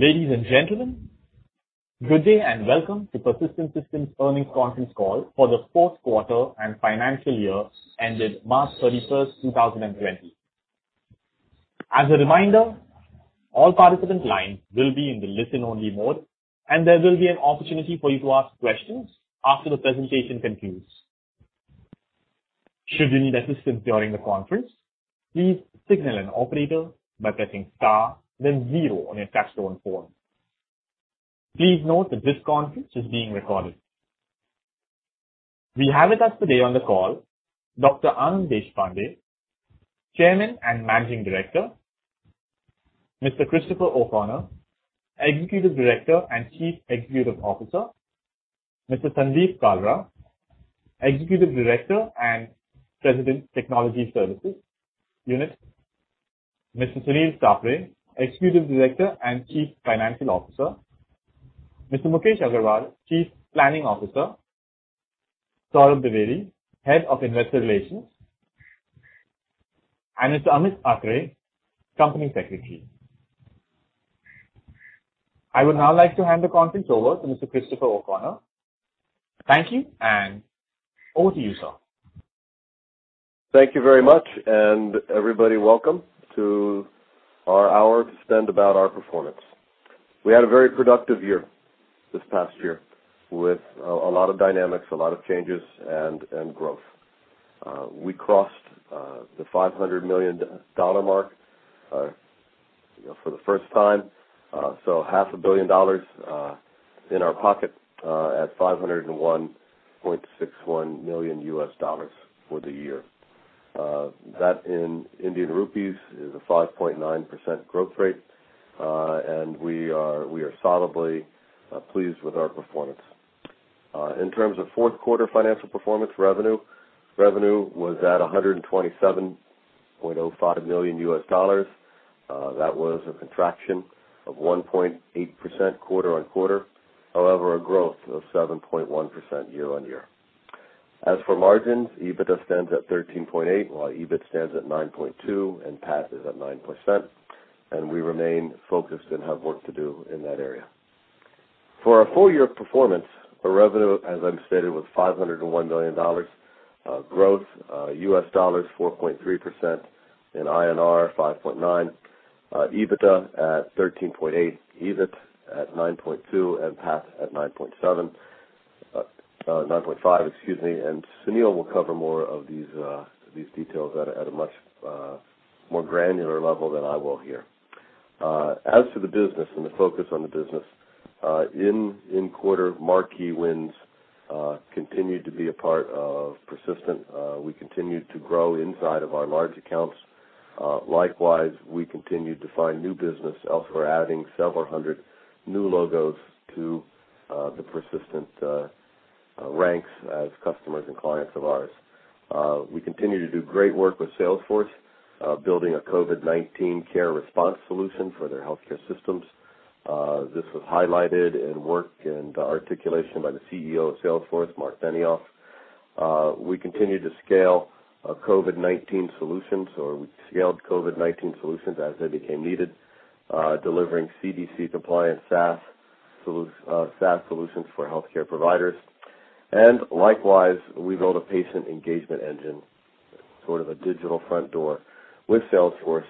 Ladies and gentlemen, good day and welcome to Persistent Systems' earnings conference call for the fourth quarter and financial year ended March 31st, 2020. As a reminder, all participant lines will be in the listen-only mode, and there will be an opportunity for you to ask questions after the presentation concludes. Should you need assistance during the conference, please signal an operator by pressing star then zero on your touch-tone phone. Please note that this conference is being recorded. We have with us today on the call Dr. Anand Deshpande, Chairman and Managing Director, Mr. Christopher O'Connor, Executive Director and Chief Executive Officer, Mr. Sandeep Kalra, Executive Director and President, Technology Services Unit, Mr. Sunil Sapre, Executive Director and Chief Financial Officer, Mr. Mukesh Agarwal, Chief Planning Officer, Saurabh Dwivedi, Head of Investor Relations, and Mr. Amit Atre, Company Secretary. I would now like to hand the conference over to Mr. Christopher O'Connor. Thank you, and over to you, sir. Thank you very much. Everybody, welcome to our hour to spend about our performance. We had a very productive year this past year with a lot of dynamics, a lot of changes, and growth. We crossed the $500 million mark for the first time. Half a billion dollars in our pocket at $501.61 million for the year. That, in INR, is a 5.9% growth rate. We are solidly pleased with our performance. In terms of fourth quarter financial performance, revenue was at $127.05 million. That was a contraction of 1.8% quarter-on-quarter. However, a growth of 7.1% year-on-year. As for margins, EBITDA stands at 13.8%, while EBIT stands at 9.2%, and PAT is at 9%, and we remain focused and have work to do in that area. For our full-year performance, our revenue, as I stated, was $501 million. Growth, USD 4.3%; in INR, 5.9%. EBITDA at 13.8%, EBIT at 9.2%, and PAT at 9.5%, excuse me. Sunil will cover more of these details at a much more granular level than I will here. As to the business and the focus on the business. In quarter, marquee wins continued to be a part of Persistent. We continued to grow inside of our large accounts. Likewise, we continued to find new business elsewhere, adding several hundred new logos to the Persistent ranks as customers and clients of ours. We continue to do great work with Salesforce, building a COVID-19 care response solution for their healthcare systems. This was highlighted in work and articulation by the CEO of Salesforce, Marc Benioff. We continued to scale COVID-19 solutions, or we scaled COVID-19 solutions as they became needed, delivering CDC-compliant SaaS solutions for healthcare providers. Likewise, we built a patient engagement engine, sort of a Digital Front Door with Salesforce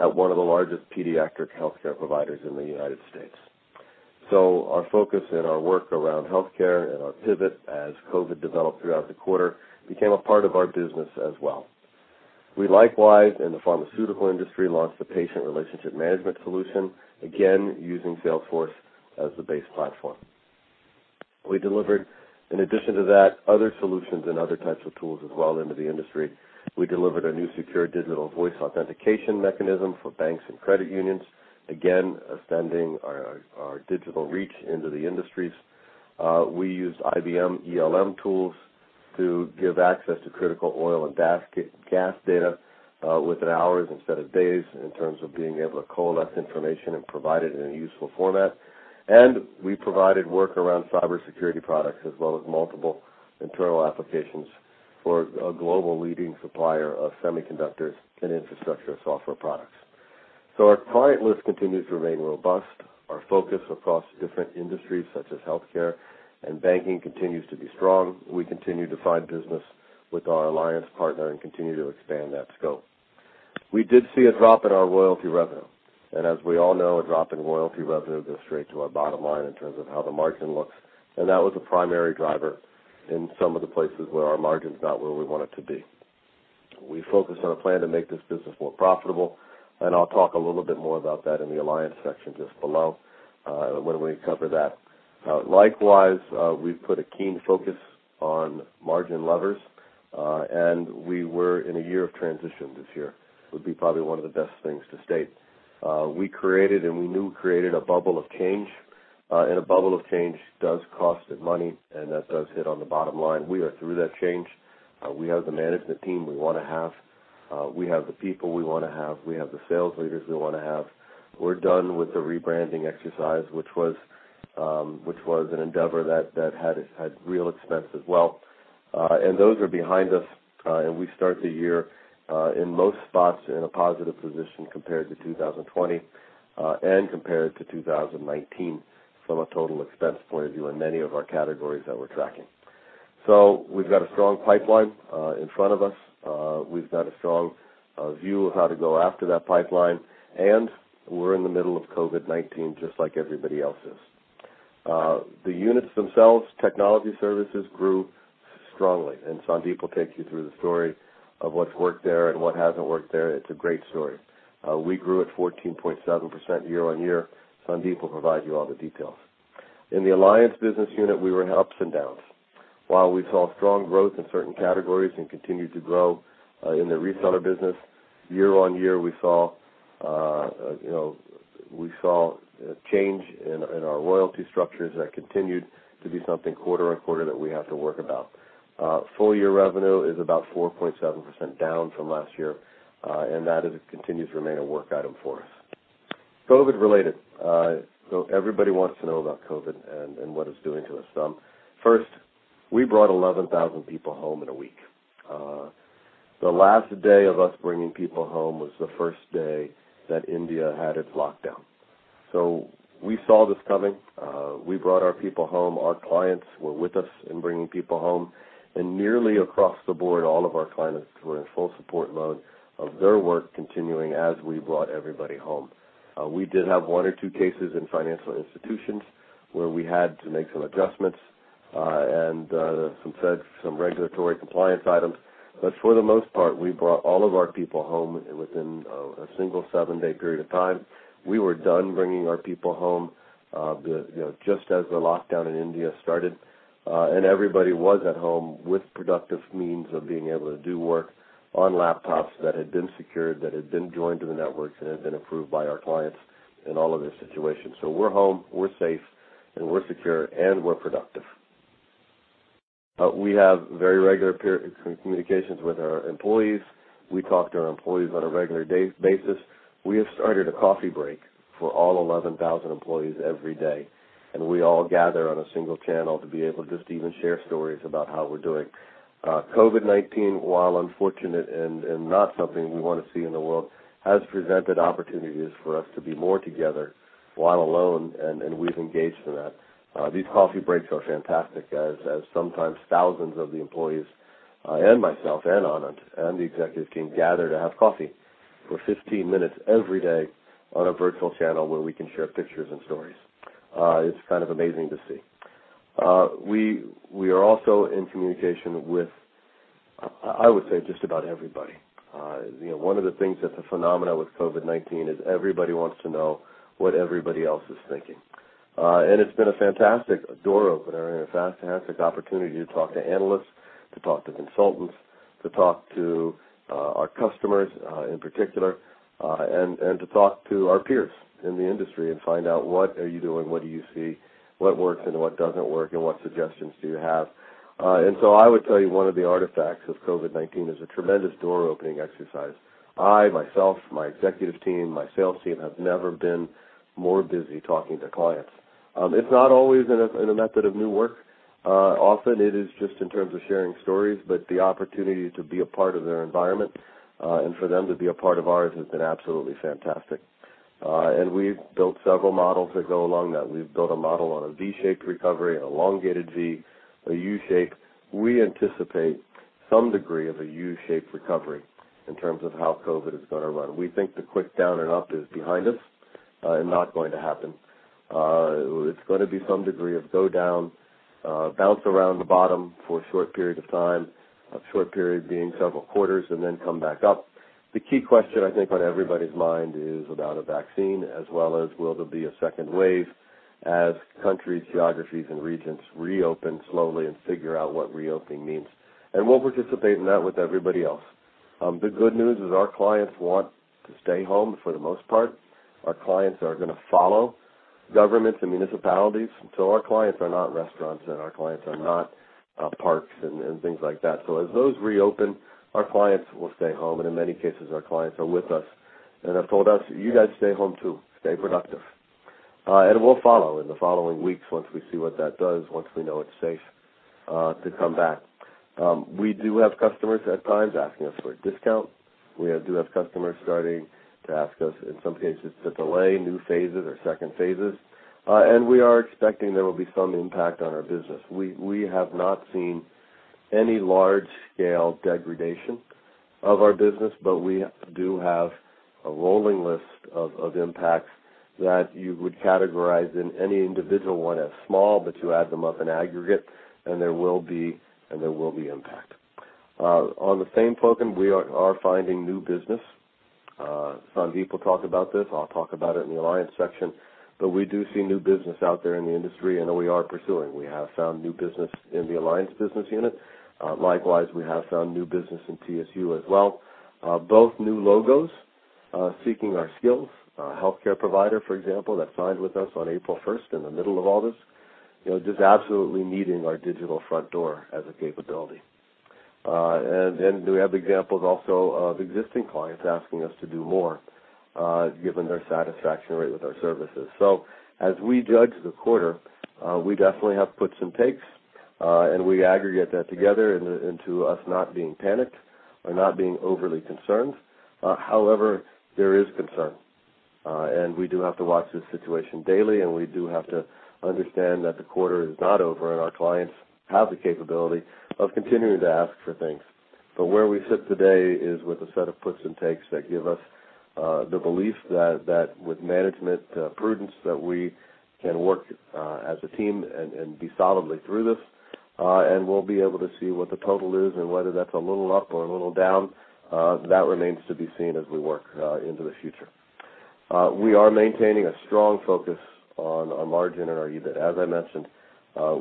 at one of the largest pediatric healthcare providers in the U.S. Our focus and our work around healthcare and our pivot as COVID developed throughout the quarter became a part of our business as well. We, likewise, in the pharmaceutical industry, launched a patient relationship management solution, again, using Salesforce as the base platform. We delivered, in addition to that, other solutions and other types of tools as well into the industry. We delivered a new secure digital voice authentication mechanism for banks and credit unions, again extending our digital reach into the industries. We used IBM ELM tools to give access to critical oil and gas data within hours instead of days in terms of being able to coalesce information and provide it in a useful format. We provided work around cybersecurity products as well as multiple internal applications for a global leading supplier of semiconductors and infrastructure software products. Our client list continues to remain robust. Our focus across different industries such as healthcare and banking continues to be strong. We continue to find business with our alliance partner and continue to expand that scope. We did see a drop in our royalty revenue, and as we all know, a drop in royalty revenue goes straight to our bottom line in terms of how the margin looks, and that was a primary driver in some of the places where our margin's not where we want it to be. We focused on a plan to make this business more profitable, and I'll talk a little bit more about that in the alliance section just below, when we cover that. Likewise, we've put a keen focus on margin levers. We were in a year of transition this year, would probably be one of the best things to state. We created a bubble of change. a bubble of change does cost money; that does hit on the bottom line. We are through that change. We have the management team we want to have. We have the people we want to have. We have the sales leaders we want to have. We're done with the rebranding exercise, which was an endeavor that had real expense as well. Those are behind us; we start the year in most spots in a positive position compared to 2020, compared to 2019 from a total expense point of view in many of our categories that we're tracking. We've got a strong pipeline in front of us. We've got a strong view of how to go after that pipeline, and we're in the middle of COVID-19 just like everybody else is. The units themselves, Technology Services, grew strongly, and Sandeep will take you through the story of what's worked there and what hasn't worked there. It's a great story. We grew at 14.7% year-on-year. Sandeep will provide you all the details. In the alliance business unit, we were in ups and downs. While we saw strong growth in certain categories and continued to grow in the reseller business, year-on-year, we saw a change in our loyalty structures that continued to be something quarter-on-quarter that we have to work about. Full year revenue is about 4.7% down from last year, and that continues to remain a work item for us. COVID-related. Everybody wants to know about COVID and what it's doing to us. First, we brought 11,000 people home in a week. The last day of us bringing people home was the first day that India had its lockdown. We saw this coming. We brought our people home. Our clients were with us in bringing people home. Nearly across the board, all of our clients were in full support mode of their work continuing as we brought everybody home. We did have one or two cases in financial institutions where we had to make some adjustments and some regulatory compliance items. For the most part, we brought all of our people home within a single seven-day period of time. We were done bringing our people home just as the lockdown in India started. Everybody was at home with productive means of being able to do work on laptops that had been secured, that had been joined to the networks, and had been approved by our clients in all of their situations. We're home, we're safe, and we're secure, and we're productive. We have very regular communications with our employees. We talk to our employees on a regular day basis. We have started a coffee break for all 11,000 employees every day, and we all gather on a single channel to be able just to even share stories about how we're doing. COVID-19, while unfortunate and not something we want to see in the world, has presented opportunities for us to be more together while alone, and we've engaged in that. These coffee breaks are fantastic, as sometimes thousands of the employees, and myself, and Anand, and the executive team gather to have coffee for 15 minutes every day on a virtual channel where we can share pictures and stories. It's kind of amazing to see. We are also in communication with, I would say, just about everybody. One of the things that's a phenomena with COVID-19 is everybody wants to know what everybody else is thinking. It's been a fantastic door opener and a fantastic opportunity to talk to analysts, to talk to consultants, to talk to our customers in particular, and to talk to our peers in the industry and find out what are you doing, what do you see, what works, and what doesn't work, and what suggestions do you have. I would tell you one of the artifacts of COVID-19 is a tremendous door-opening exercise. I, myself; my executive team, my sales team have never been more busy talking to clients. It is not always in a method of new work. Often it is just in terms of sharing stories, but the opportunity to be a part of their environment and for them to be a part of ours has been absolutely fantastic. We have built several models that go along that. We have built a model on a V-shaped recovery, an elongated V, a U shape. We anticipate some degree of a U-shaped recovery in terms of how COVID is going to run. We think the quick down and up is behind us and not going to happen. It's going to be some degree of go down, bounce around the bottom for a short period of time, a short period being several quarters, and then come back up. The key question I think on everybody's mind is about a vaccine, as well as will there be a second wave as countries, geographies, and regions reopen slowly and figure out what reopening means. We'll participate in that with everybody else. The good news is our clients want to stay home for the most part. Our clients are going to follow governments and municipalities. Our clients are not restaurants, and our clients are not parks and things like that. As those reopen, our clients will stay home, and in many cases, our clients are with us and have told us, "You guys stay home, too. Stay productive." We'll follow in the following weeks once we see what that does, once we know it's safe to come back. We do have customers at times asking us for a discount. We do have customers starting to ask us, in some cases, to delay new phases or second phases. We are expecting there will be some impact on our business. We have not seen any large-scale degradation of our business, but we do have a rolling list of impacts that you would categorize in any individual one as small, but you add them up in aggregate, and there will be impact. On the same token, we are finding new business. Sandeep will talk about this. I'll talk about it in the alliance section. We do see new business out there in the industry, and we are pursuing it. We have found new business in the alliance business unit. Likewise, we have found new business in TSU as well. Both new logos seeking our skills. A healthcare provider, for example, that signed with us on April 1st in the middle of all this, just absolutely needing our Digital Front Door as a capability. We have examples also of existing clients asking us to do more, given their satisfaction rate with our services. As we judge the quarter, we definitely have puts and takes, and we aggregate that together into us not being panicked or not being overly concerned. However, there is concern, and we do have to watch this situation daily, and we do have to understand that the quarter is not over, and our clients have the capability of continuing to ask for things. Where we sit today is with a set of puts and takes that give us the belief that with management prudence, that we can work as a team and be solidly through this, and we'll be able to see what the total is and whether that's a little up or a little down. That remains to be seen as we work into the future. We are maintaining a strong focus on our margin and our EBIT. As I mentioned,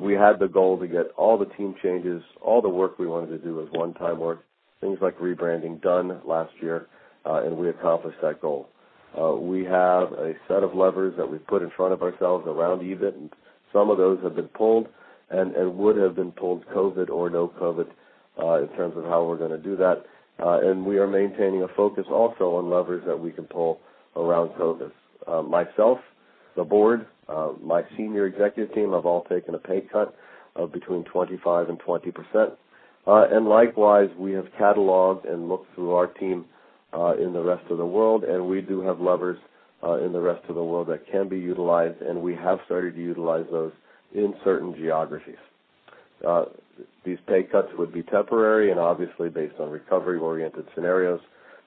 we had the goal to get all the team changes, all the work we wanted to do as one-time work, things like rebranding, done last year, and we accomplished that goal. We have a set of levers that we've put in front of ourselves around EBIT, and some of those have been pulled and would have been pulled, COVID or no COVID, in terms of how we're going to do that. We are maintaining a focus also on levers that we can pull around COVID. Myself, the board, my senior executive team have all taken a pay cut of between 25% and 20%. Likewise, we have cataloged and looked through our team in the rest of the world, and we do have levers in the rest of the world that can be utilized, and we have started to utilize those in certain geographies. These pay cuts would be temporary and obviously based on recovery-oriented scenarios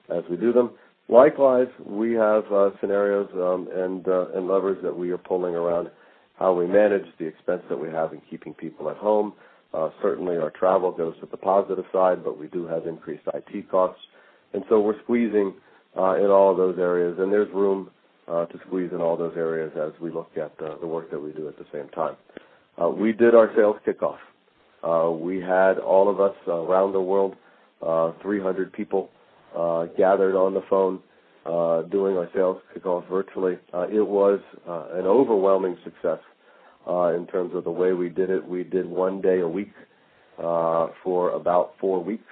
as we do them. Likewise, we have scenarios and levers that we are pulling around how we manage the expense that we have in keeping people at home. Certainly, our travel goes to the positive side. We do have increased IT costs. We're squeezing in all of those areas. There's room to squeeze in all those areas as we look at the work that we do at the same time. We did our sales kickoff. We had all of us around the world, 300 people gathered on the phone, doing our sales kickoff virtually. It was an overwhelming success in terms of the way we did it. We did one day a week for about four weeks.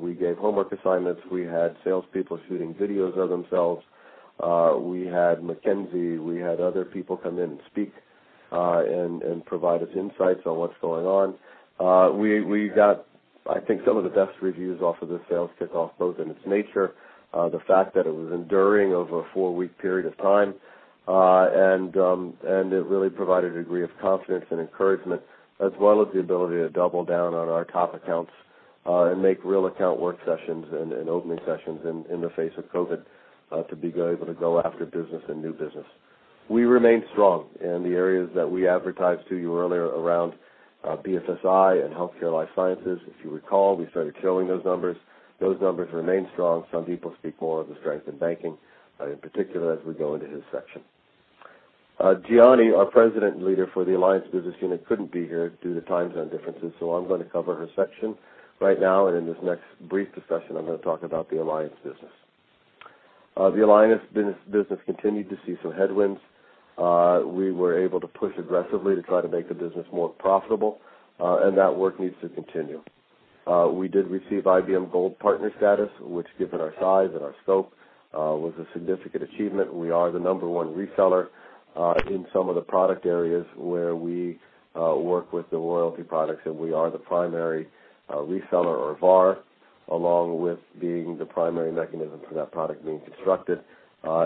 We gave homework assignments. We had salespeople shooting videos of themselves. We had McKinsey; we had other people come in and speak and provide us insights on what's going on. We got, I think, some of the best reviews off of this sales kickoff, both in its nature, the fact that it was enduring over a four-week period of time, and it really provided a degree of confidence and encouragement, as well as the ability to double down on our top accounts and make real account work sessions and opening sessions in the face of COVID, to be able to go after business and new business. We remain strong in the areas that we advertised to you earlier around BFSI and healthcare life sciences. If you recall, we started showing those numbers. Those numbers remain strong. Some people speak more of the strength in banking, in particular, as we go into his section. Jiani, our president and leader for the Alliance Business Unit, couldn't be here due to time zone differences, so I'm going to cover her section right now, and in this next brief discussion, I'm going to talk about the Alliance Business. The Alliance Business continued to see some headwinds. We were able to push aggressively to try to make the business more profitable, and that work needs to continue. We did receive IBM Gold Partner status, which, given our size and our scope, was a significant achievement. We are the number one reseller in some of the product areas where we work with the royalty products, and we are the primary reseller or VAR, along with being the primary mechanism for that product being constructed. That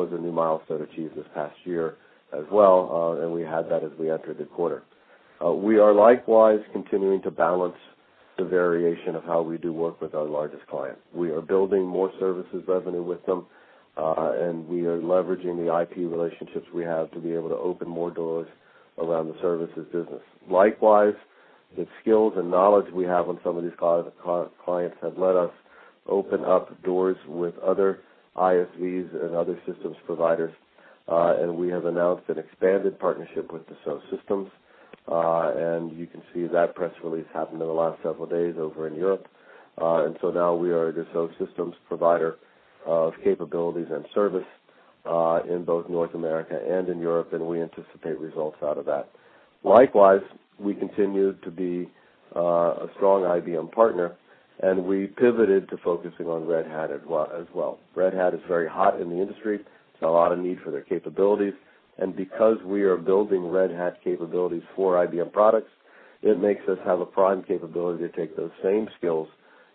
was a new milestone achieved this past year as well, and we had that as we entered the quarter. We are likewise continuing to balance the variation of how we do work with our largest client. We are building more services revenue with them, and we are leveraging the IP relationships we have to be able to open more doors around the services business. Likewise, the skills and knowledge we have on some of these clients have let us open up doors with other ISVs and other systems providers. We have announced an expanded partnership with the Dassault Systèmes, and you can see that press release happened in the last several days over in Europe. Now we are a Dassault Systèmes provider of capabilities and services in both North America and in Europe, and we anticipate results out of that. Likewise, we continue to be a strong IBM partner; we pivoted to focusing on Red Hat as well. Red Hat is very hot in the industry. There's a lot of need for their capabilities. Because we are building Red Hat capabilities for IBM products, it makes us have a prime capability to take those same skills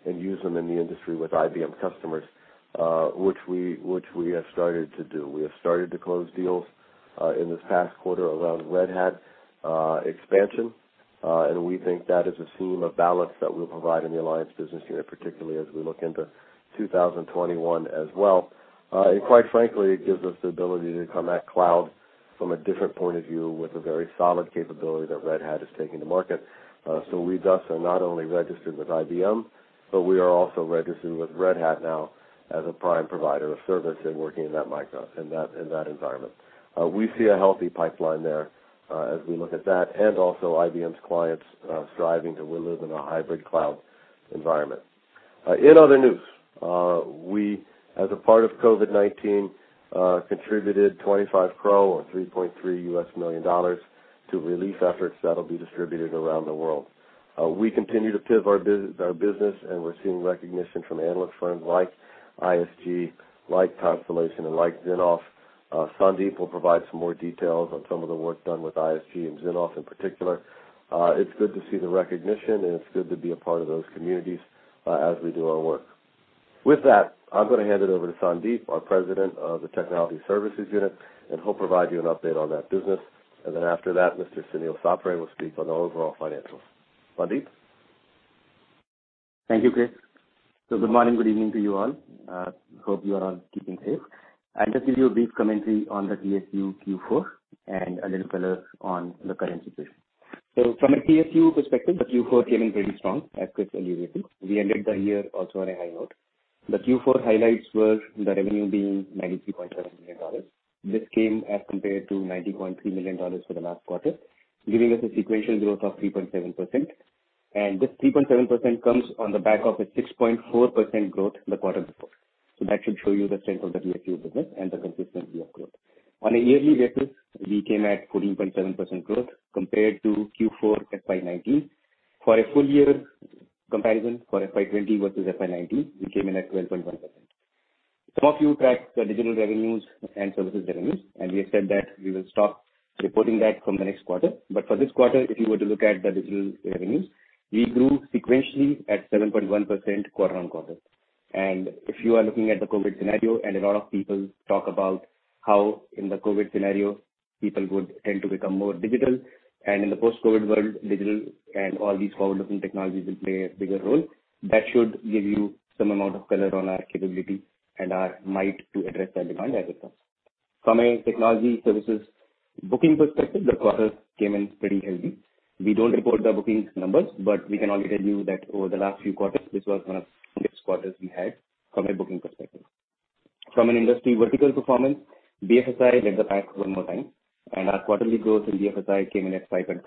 and use them in the industry with IBM customers, which we have started to do. We have started to close deals in this past quarter around Red Hat expansion. We think that is a seam of balance that we'll provide in the alliance business unit, particularly as we look into 2021 as well. Quite frankly, it gives us the ability to come at cloud from a different point of view with a very solid capability that Red Hat is taking to market. We thus are not only registered with IBM, but we are also registered with Red Hat now as a prime provider of services and working in that environment. We see a healthy pipeline there as we look at that and also IBM's clients striving to live in a hybrid cloud environment. In other news, we, as a part of COVID-19, contributed 25 crore or $3.3 million to relief efforts that will be distributed around the world. We continue to pivot our business, and we're seeing recognition from analyst firms like ISG, like Constellation, and like Zinnov. Sandip will provide some more details on some of the work done with ISG and Zinnov in particular. It's good to see the recognition, and it's good to be a part of those communities as we do our work. With that, I'm going to hand it over to Sandeep, our President of the Technology Services Unit, and he'll provide you an update on that business. After that, Mr. Sunil Sapre will speak on the overall financials. Sandeep? Thank you, Chris. Good morning, good evening to you all. Hope you are all keeping safe. I'll just give you a brief commentary on the TSU Q4 and a little color on the current situation. From a TSU perspective, the Q4 came in pretty strong, as Chris alluded to. We ended the year also on a high note. The Q4 highlights were the revenue being $93.7 million. This came as compared to $90.3 million for the last quarter, giving us a sequential growth of 3.7%. This 3.7% comes on the back of a 6.4% growth the quarter before. That should show you the strength of the TSU business and the consistency of growth. On a yearly basis, we came at 14.7% growth compared to Q4 FY 2019. For a full year comparison for FY 2020 versus FY 2019, we came in at 12.1%. Some of you tracked the digital revenues and services revenues. We have said that we will stop reporting that from the next quarter. For this quarter, if you were to look at the digital revenues, we grew sequentially at 7.1% quarter-on-quarter. If you are looking at the COVID scenario, and a lot of people talk about how in the COVID scenario, people would tend to become more digital. In the post-COVID world, digital and all these forward-looking technologies will play a bigger role. That should give you some amount of color on our capability and our might to address that demand as it comes. From a technology services booking perspective, the quarter came in pretty healthy. We don't report the bookings numbers, but we can only tell you that over the last few quarters, this was one of the strongest quarters we had from a booking perspective. From an industry vertical performance, BFSI led the pack one more time, and our quarterly growth in BFSI came in at 5.5%.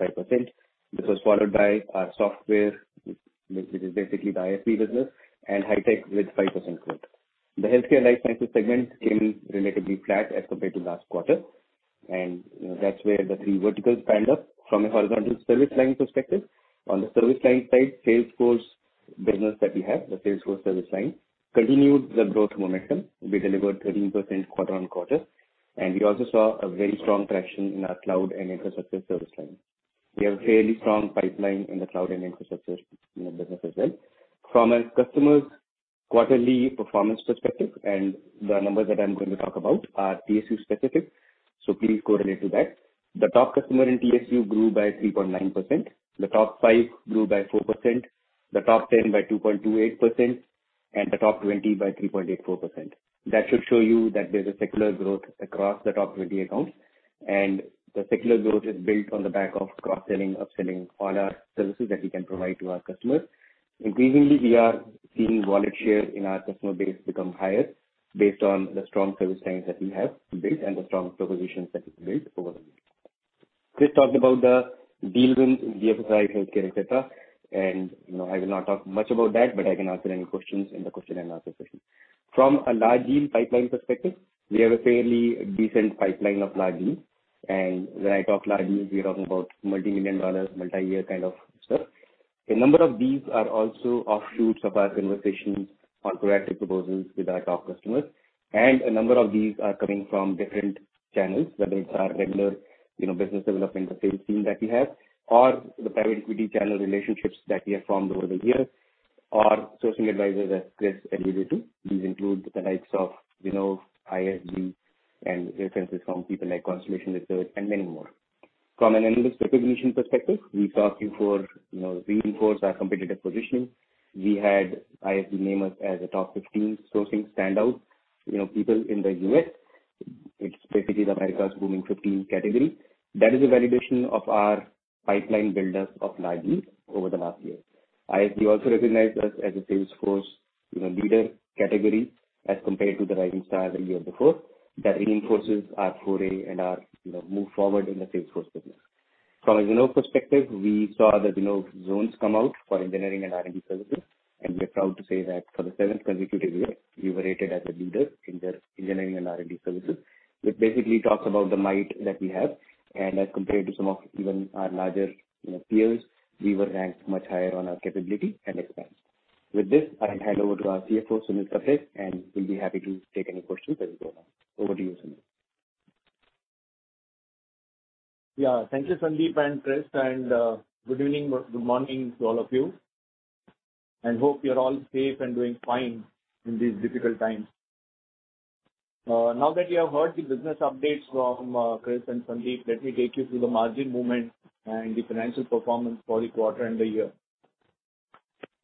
This was followed by our software, which is basically the ISV business and high tech with 5% growth. The healthcare and life sciences segment came relatively flat as compared to last quarter, and that's where the three verticals stand up. From a horizontal service line perspective, on the service line side, Salesforce business that we have, the Salesforce service line, continued the growth momentum. We delivered 13% quarter-on-quarter. We also saw a very strong traction in our cloud and infrastructure service line. We have a fairly strong pipeline in the cloud and infrastructure business as well. From a customer quarterly performance perspective, the numbers that I'm going to talk about are TSU specific. Please correlate to that. The top customer in TSU grew by 3.9%. The top 5 grew by 4%, the top 10 by 2.28%. The top 20 by 3.84%. That should show you that there's a secular growth across the top 20 accounts. The secular growth is built on the back of cross-selling, upselling all our services that we can provide to our customers. Increasingly, we are seeing wallet share in our customer base become higher based on the strong service lines that we have built and the strong propositions that we've built over. Chris talked about the deal wins in BFSI, healthcare, et cetera. I will not talk much about that; I can answer any questions in the question and answer session. From a large deal pipeline perspective, we have a fairly decent pipeline of large deals. When I talk large deals, we are talking about multi-million dollar, multi-year kind of stuff. A number of these are also offshoots of our conversations on proactive proposals with our top customers. A number of these are coming from different channels, whether it's our regular business development or sales team that we have or the private equity channel relationships that we have formed over the years or sourcing advisors, as Chris alluded to. These include the likes of Zinnov, ISG, and references from people like Constellation Research and many more. From an analyst recognition perspective, we saw Q4 reinforce our competitive positioning. We had ISG name us as a top 15 sourcing standout, people in the U.S. It's basically the America's booming 15 categories. That is a validation of our pipeline builders of large deals over the last year. ISG also recognized us as a Salesforce leader category as compared to the rising star the year before. That reinforces our foray and our move forward in the Salesforce business. From a Zinnov perspective, we saw the Zinnov zones come out for engineering and R&D services, and we are proud to say that for the seventh consecutive year, we were rated as a leader in their engineering and R&D services, which basically talks about the might that we have. As compared to some of even our larger peers, we were ranked much higher on our capability and expanse. With this, I hand over to our CFO, Sunil Sapre, and we'll be happy to take any questions as we go along. Over to you, Sunil. Thank you, Sandeep and Chris, and good evening, good morning to all of you. I hope you're all safe and doing fine in these difficult times. Now that you have heard the business updates from Chris and Sandeep, let me take you through the margin movement and the financial performance for the quarter and the year.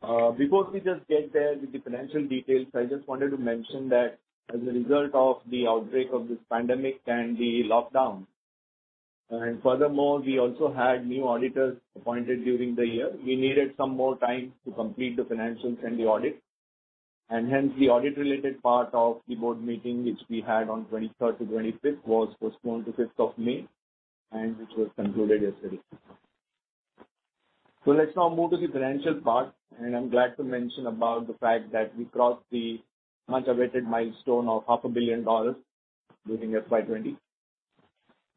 Before we just get there with the financial details, I just wanted to mention that as a result of the outbreak of this pandemic and the lockdown, and furthermore, we also had new auditors appointed during the year. We needed some more time to complete the financials and the audit, and hence the audit-related part of the board meeting, which we had on 23rd to 25th, was postponed to 5th of May, and which was concluded yesterday. Let's now move to the financial part, and I'm glad to mention about the fact that we crossed the much-awaited milestone of half a billion dollars during FY 2020.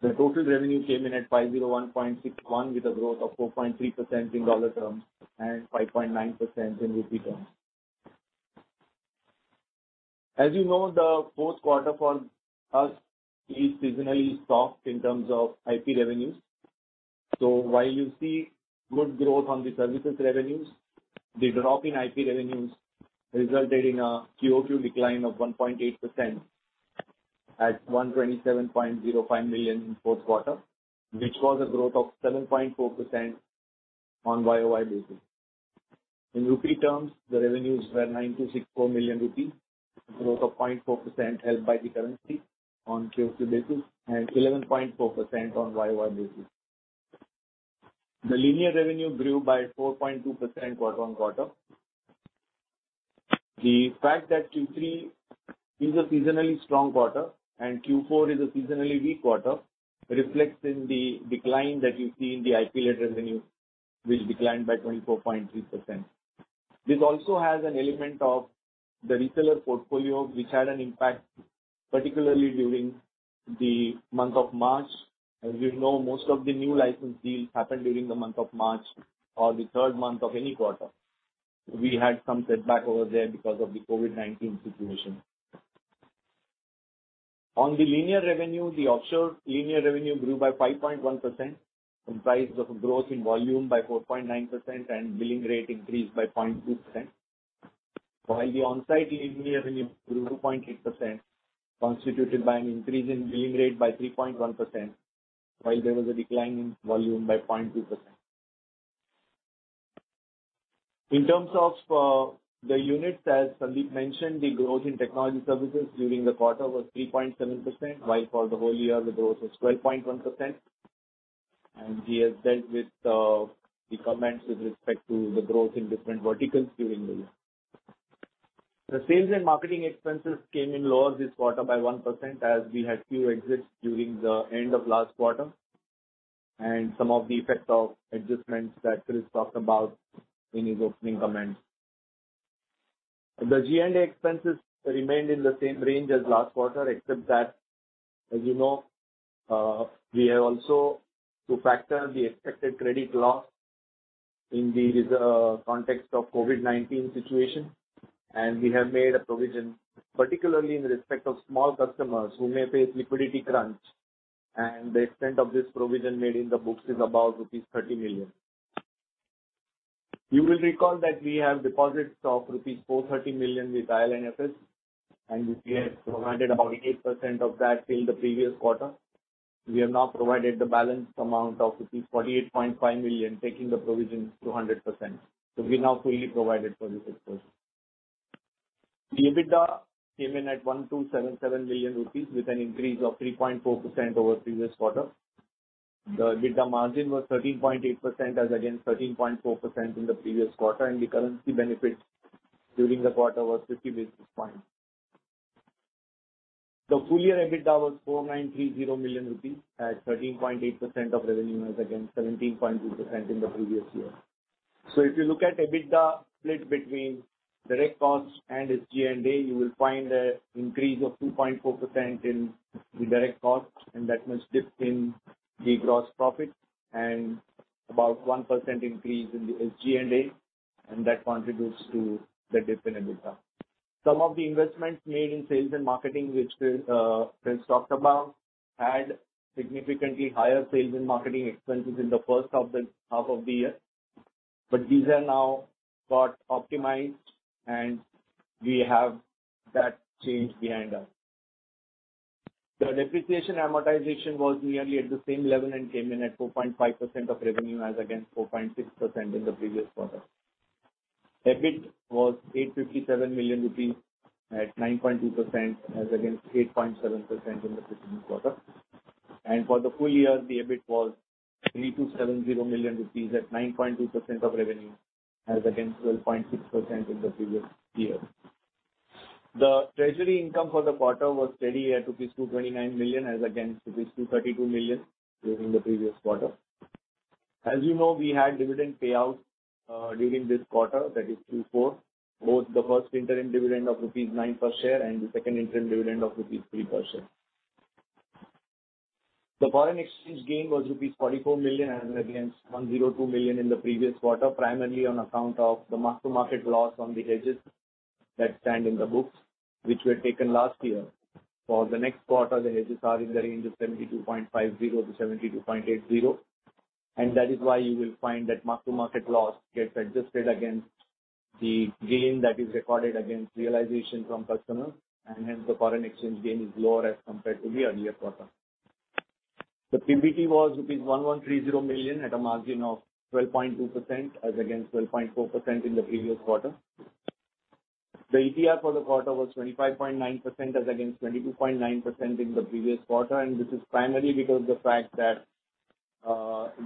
The total revenue came in at $501.61 million with a growth of 4.3% in dollar terms and 5.9% in rupee terms. As you know, the fourth quarter for us is seasonally soft in terms of IP revenues. While you see good growth on the services revenues, the drop in IP revenues resulted in a QOQ decline of 1.8% at $127.05 million in Q4, which was a growth of 7.4% on YOY basis. In rupee terms, the revenues were 9,264 million rupees, a growth of 0.4% helped by the currency on QOQ basis and 11.4% on YOY basis. The linear revenue grew by 4.2% quarter-on-quarter. The fact that Q3 is a seasonally strong quarter and Q4 is a seasonally weak quarter reflects in the decline that you see in the IP-led revenue, which declined by 24.3%. This also has an element of the reseller portfolio, which had an impact, particularly during the month of March. As you know, most of the new license deals happen during the month of March or the third month of any quarter. We had some setback over there because of the COVID-19 situation. On the linear revenue, the offshore linear revenue grew by 5.1%, comprised of a growth in volume by 4.9%, and billing rate increased by 0.2%, while the onsite linear revenue grew 2.8%, constituted by an increase in billing rate by 3.1%, while there was a decline in volume by 0.2%. In terms of the units, as Sandeep mentioned, the growth in technology services during the quarter was 3.7%, while for the whole year, the growth was 12.1%. He has dealt with the comments with respect to the growth in different verticals during the year. The sales and marketing expenses came in lower this quarter by 1% as we had few exits during the end of last quarter and some of the effect of adjustments that Chris talked about in his opening comments. The G&A expenses remained in the same range as last quarter, except that, as you know, we have also to factor the expected credit loss in the context of the COVID-19 situation. We have made a provision, particularly in respect of small customers who may face a liquidity crunch. The extent of this provision made in the books is about rupees 30 million. You will recall that we have deposits of rupees 430 million with IL&FS and we have provided about 8% of that till the previous quarter. We have now provided the balance amount of 48.5 million, taking the provision to 100%. We now fully provided for this exposure. The EBITDA came in at 1,277 million rupees, with an increase of 3.4% over previous quarter. The EBITDA margin was 13.8% as against 13.4% in the previous quarter, and the currency benefits during the quarter was 50 basis points. The full-year EBITDA was 4,930 million rupees at 13.8% of revenue as against 17.2% in the previous year. If you look at EBITDA split between direct costs and its G&A, you will find an increase of 2.4% in the direct cost and that much dip in the gross profit and about 1% increase in the SG&A and that contributes to the dip in EBITDA. Some of the investments made in sales and marketing, which Chris talked about, had significantly higher sales and marketing expenses in the first half of the year. These are now got optimized and we have that change behind us. The depreciation amortization was nearly at the same level and came in at 4.5% of revenue as against 4.6% in the previous quarter. EBIT was 857 million rupees at 9.2% as against 8.7% in the previous quarter. For the full year, the EBIT was 3,270 million rupees at 9.2% of revenue as against 12.6% in the previous year. The treasury income for the quarter was steady at rupees 229 million as against rupees 232 million during the previous quarter. As you know, we had dividend payouts during this quarter, that is Q4, both the first interim dividend of INR nine per share and the second interim dividend of INR three per share. The foreign exchange gain was rupees 44 million as against 102 million in the previous quarter, primarily on account of the mark-to-market loss on the hedges that stand in the books, which were taken last year. For the next quarter, the hedges are in the range of 72.50 to 72.80; that is why you will find that mark-to-market loss gets adjusted against the gain that is recorded against realization from customers, and hence the foreign exchange gain is lower as compared to the earlier quarter. The PBT was rupees 1,130 million at a margin of 12.2% as against 12.4% in the previous quarter. The ETR for the quarter was 25.9% as against 22.9% in the previous quarter. This is primarily because of the fact that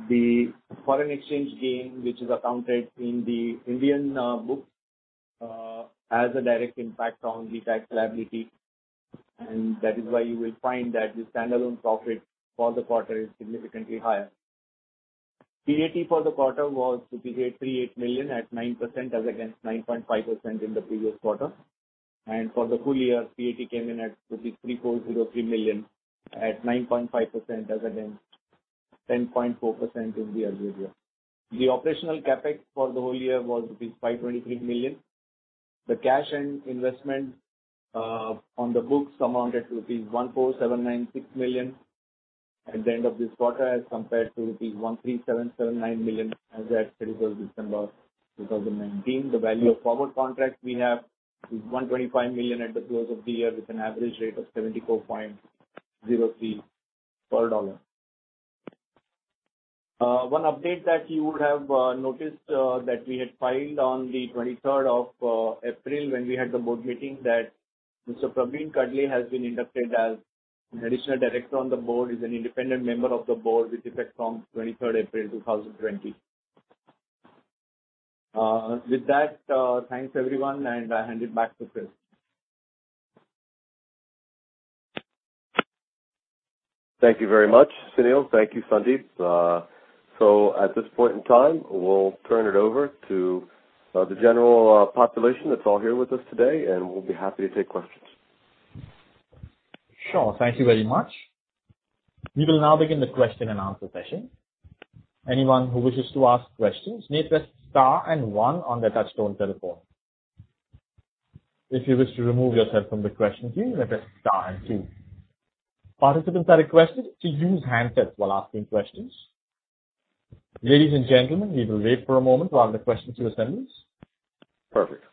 the foreign exchange gain, which is accounted in the Indian book, has a direct impact on the tax liability. That is why you will find that the standalone profit for the quarter is significantly higher. PAT for the quarter was 838.1 million at 9% as against 9.5% in the previous quarter. For the full year, PAT came in at rupees 3,403 million at 9.5% as against 10.4% in the earlier year. The operational CapEx for the whole year was rupees 523 million. The cash and investments on the books amounted to rupees 14,796 million at the end of this quarter as compared to rupees 13,779 million as at 31st December 2019. The value of forward contracts we have is 125 million at the close of the year, with an average rate of 74.03 per USD. One update that you would have noticed that we had filed on the 23rd of April when we had the board meeting, that Mr. Praveen Kadle has been inducted as an additional director on the board. He's an independent member of the board with effect from 23rd April 2020. With that, thanks everyone, and I hand it back to Chris. Thank you very much, Sunil. Thank you, Sandeep. At this point in time, we'll turn it over to the general population that's all here with us today, and we'll be happy to take questions. Sure. Thank you very much. We will now begin the question and answer session. Anyone who wishes to ask questions need press star and one on their touch-tone telephone. If you wish to remove yourself from the question queue, then press star and two. All participants are requested to use handsets while asking questions. Ladies and gentlemen, we will wait for a moment while the questions are sent. Perfect.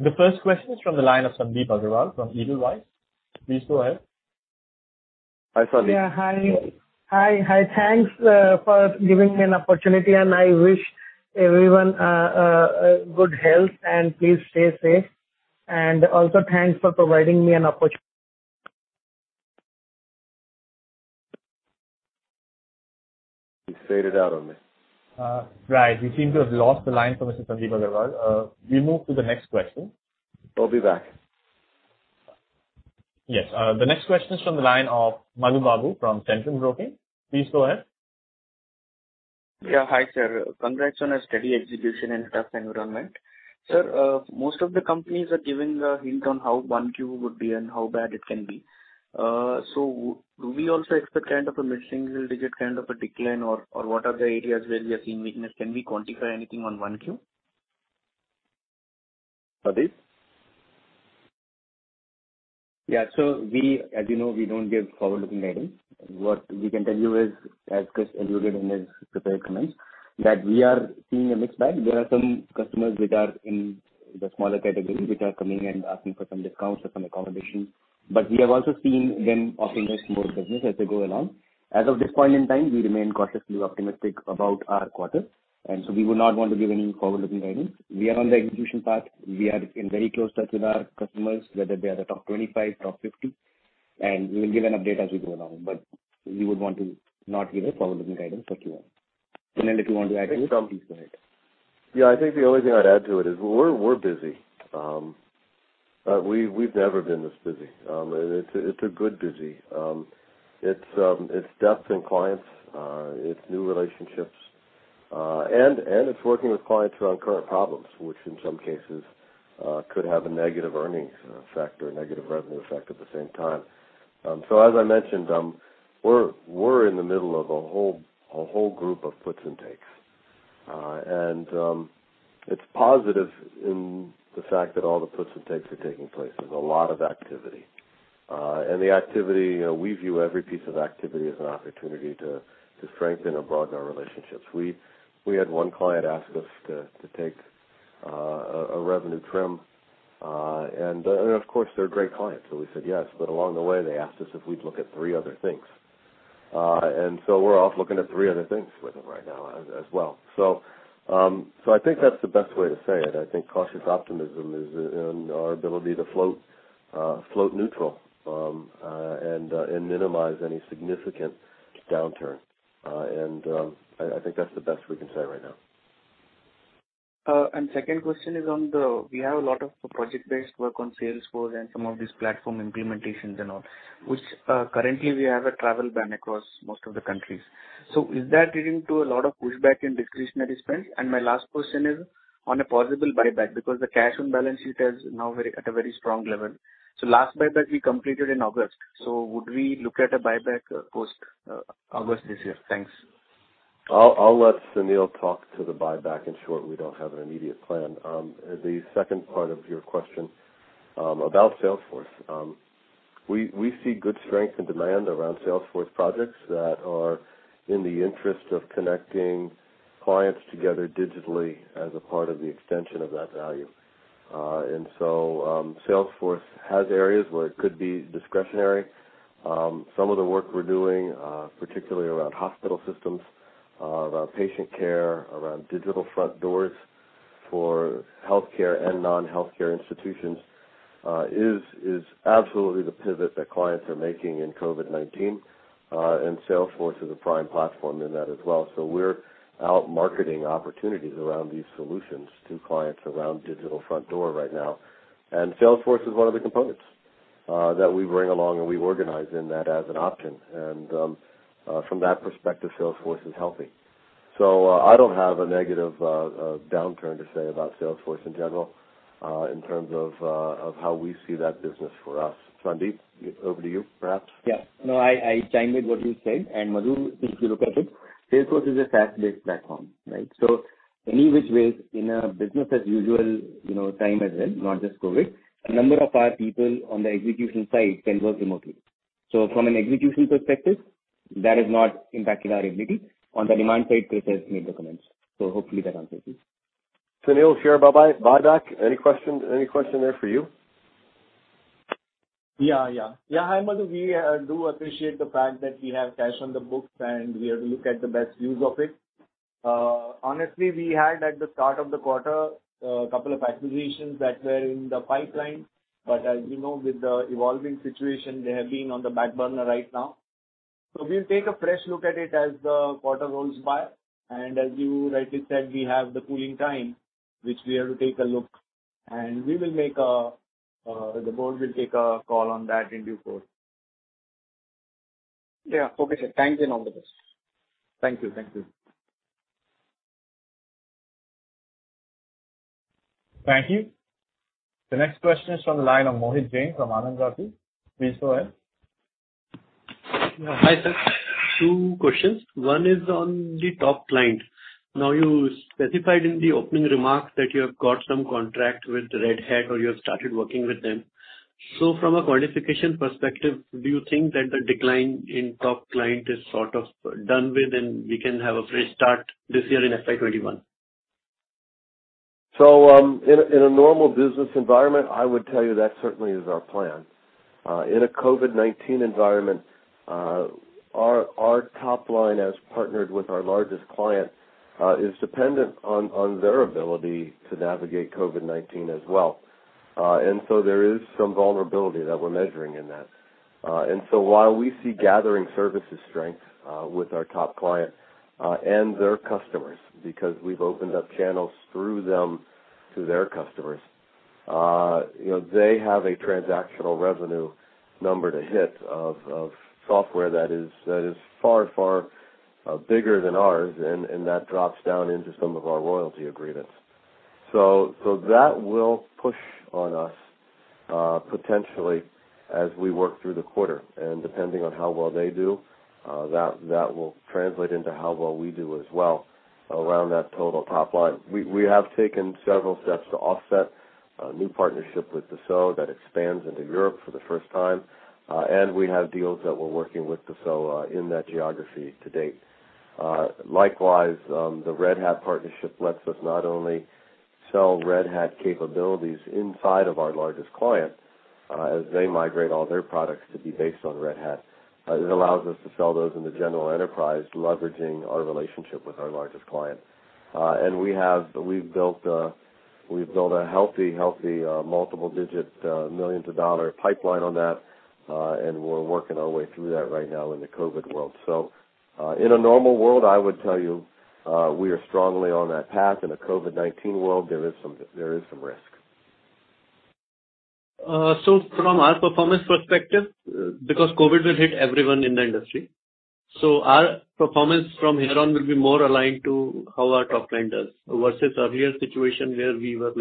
The first question is from the line of Sandip Agarwal from Edelweiss. Please go ahead. Hi, Sandip. Yeah. Hi. Thanks for giving me an opportunity, and I wish everyone good health, and please stay safe. Also, thanks for providing me an opportunity. He faded out on me. Right. We seem to have lost the line for Mr. Sandip Agarwal. We move to the next question. He'll be back. Yes. The next question is from the line of Madhu Babu from Centrum Broking. Please go ahead. Yeah. Hi, sir. Congrats on a steady execution in a tough environment. Sir, most of the companies are giving a hint on how 1Q would be and how bad it can be. Do we also expect kind of a mid-single-digit kind of a decline, or what are the areas where we are seeing weakness? Can we quantify anything on 1Q? Sandeep? We, as you know, we don't give forward-looking guidance. What we can tell you is, as Kris alluded in his prepared comments, that we are seeing a mixed bag. There are some customers which are in the smaller category which are coming and asking for some discounts or some accommodation. We have also seen them offering us more business as we go along. As of this point in time, we remain cautiously optimistic about our quarter, and so we would not want to give any forward-looking guidance. We are on the execution path. We are in very close touch with our customers, whether they are the top 25, top 50, and we will give an update as we go along. We would want to not give a forward-looking guidance for Q1. Sunil, if you want to add to it? I think some- Please go ahead. Yeah, I think the only thing I'd add to it is we're busy. We've never been this busy. It's a good busy. It's depth in clients, it's new relationships, and it's working with clients around current problems, which in some cases could have a negative earnings effect or a negative revenue effect at the same time. As I mentioned, we're in the middle of a whole group of puts and takes. It's positive in the fact that all the puts and takes are taking place. There's a lot of activity. The activity: we view every piece of activity as an opportunity to strengthen and broaden our relationships. We had one client ask us to take a revenue trim. Of course, they're a great client, so we said yes, but along the way, they asked us if we'd look at three other things. We're off looking at three other things with them right now as well. I think that's the best way to say it. I think cautious optimism is in our ability to float neutral and minimize any significant downturn. I think that's the best we can say right now. Second question is on the we have a lot of project-based work on Salesforce and some of these platform implementations and all, which currently we have a travel ban across most of the countries. Is that leading to a lot of pushback in discretionary spend? My last question is on a possible buyback because the cash on balance sheet is now at a very strong level. Last buyback we completed in August. Would we look at a buyback post August this year? Thanks. I'll let Sunil talk to the buyback. In short, we don't have an immediate plan. The second part of your question about Salesforce. We see good strength and demand around Salesforce projects that are in the interest of connecting clients together digitally as a part of the extension of that value. Salesforce has areas where it could be discretionary. Some of the work we're doing, particularly around hospital systems, around patient care, around Digital Front Door for healthcare and non-healthcare institutions, is absolutely the pivot that clients are making in COVID-19, and Salesforce is a prime platform in that as well. We're out marketing opportunities around these solutions to clients around Digital Front Door right now. Salesforce is one of the components that we bring along, and we organize in that as an option. From that perspective, Salesforce is healthy. I don't have a negative downturn to say about Salesforce in general in terms of how we see that business for us. Sandeep, over to you, perhaps. Yeah. No, I chime with what you said. Madhu, if you look at it, Salesforce is a SaaS-based platform, right? Any which ways in a business-as-usual time as well, not just COVID, a number of our people on the execution side can work remotely. From an execution perspective, that has not impacted our ability. On the demand side, Kris has made the comments. Hopefully that answers it. Sunil, Shira, Bhadok, any questions there for you? Yeah. Hi, Madhu. We do appreciate the fact that we have cash on the books, and we have to look at the best use of it. Honestly, we had at the start of the quarter a couple of acquisitions that were in the pipeline, but as you know, with the evolving situation, they have been on the back burner right now. We'll take a fresh look at it as the quarter rolls by. As you rightly said, we have the cooling time, which we have to take a look, and the board will take a call on that in due course. Yeah. Okay, sir. Thanks and all the best. Thank you. Thank you. The next question is from the line of Mohit Jain from Anand Rathi. Please go ahead. Yeah. Hi, sir. Two questions. One is on the top client. You specified in the opening remarks that you have got some contract with Red Hat or you have started working with them. From a qualification perspective, do you think that the decline in top clients is sort of done with and we can have a fresh start this year in FY2021? In a normal business environment, I would tell you that certainly is our plan. In a COVID-19 environment, our top line as partnered with our largest client is dependent on their ability to navigate COVID-19 as well. There is some vulnerability that we're measuring in that. While we see gathering services' strength with our top client and their customers, because we've opened up channels through them to their customers, they have a transactional revenue number to hit of software that is far, far bigger than ours. That drops down into some of our royalty agreements. That will push on us potentially as we work through the quarter. Depending on how well they do, that will translate into how well we do as well around that total top line. We have taken several steps to offset a new partnership with Dassault that expands into Europe for the first time. We have deals that we're working with Dassault in that geography to date. Likewise, the Red Hat partnership lets us not only sell Red Hat capabilities inside of our largest client as they migrate all their products to be based on Red Hat. It allows us to sell those in the general enterprise, leveraging our relationship with our largest client. We've built a healthy, multiple-digit millions of dollar pipeline on that, and we're working our way through that right now in the COVID world. In a normal world, I would tell you we are strongly on that path. In a COVID-19 world, there is some risk. From our performance perspective, because COVID will hit everyone in the industry. Our performance from here on will be more aligned to how our top line does versus earlier situations where we were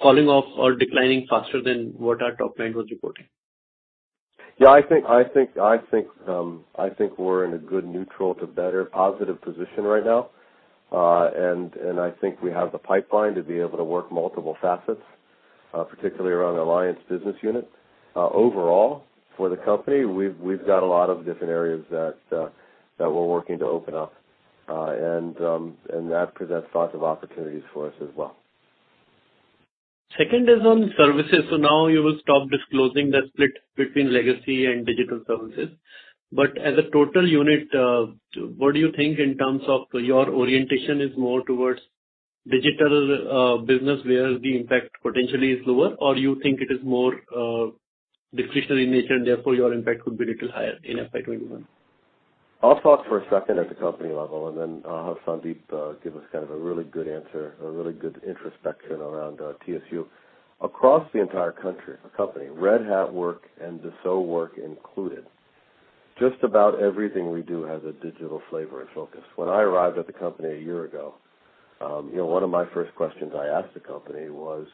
falling off or declining faster than what our top line was reporting. Yeah, I think we're in a good neutral-to-better-positive position right now. I think we have the pipeline to be able to work multiple facets, particularly around the alliance business unit. Overall, for the company, we've got a lot of different areas that we're working to open up. That presents lots of opportunities for us as well. Second is on services. Now you will stop disclosing that split between legacy and digital services. As a total unit, what do you think in terms of your orientation is more towards digital business, where the impact potentially is lower? Or you think it is more discretionary in nature, and therefore your impact could be a little higher in FY 2021? I'll talk for a second at the company level, and then I'll have Sandeep give us kind of a really good answer, a really good introspection around TSU. Across the entire company, Red Hat work and Dassault work included, just about everything we do has a digital flavor and focus. When I arrived at the company a year ago, one of my first questions I asked the company was,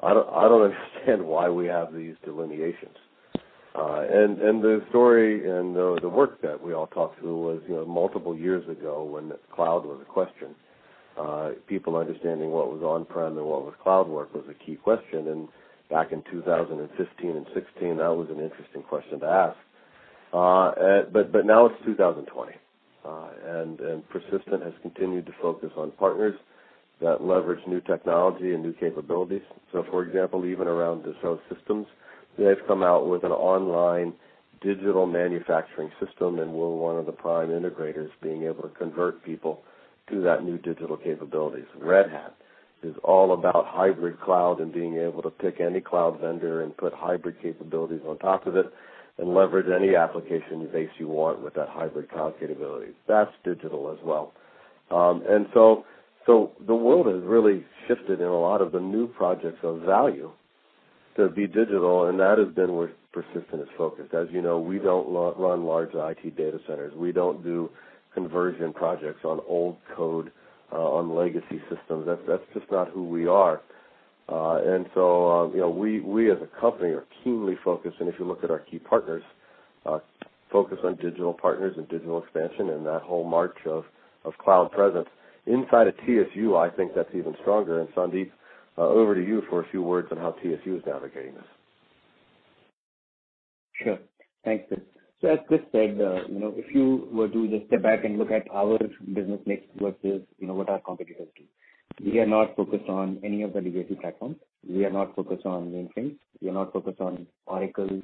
"I don't understand why we have these delineations." The story and the work that we all talked to was multiple years ago when cloud was a question. People understanding what was on-prem and what was cloud work was a key question. Back in 2015 and 2016, that was an interesting question to ask. Now it's 2020, and Persistent has continued to focus on partners that leverage new technology and new capabilities. For example, even around Dassault Systèmes, they've come out with an online digital manufacturing system, and we're one of the prime integrators being able to convert people to that new digital capabilities. Red Hat is all about hybrid cloud and being able to pick any cloud vendor and put hybrid capabilities on top of it and leverage any application base you want with that hybrid cloud capability. That's digital as well. The world has really shifted in a lot of the new projects of value to be digital, and that has been where Persistent is focused. As you know, we don't run large IT data centers. We don't do conversion projects on old code on legacy systems. That's just not who we are. We as a company are keenly focused, and if you look at our key partners, focused on digital partners and digital expansion and that whole march of cloud presence. Inside of TSU, I think that's even stronger. Sandeep, over to you for a few words on how TSU is navigating this. Sure. Thanks, Chris. As Chris said, if you were to just step back and look at our business mix versus what our competitors do, we are not focused on any of the legacy platforms. We are not focused on mainframes. We are not focused on Oracle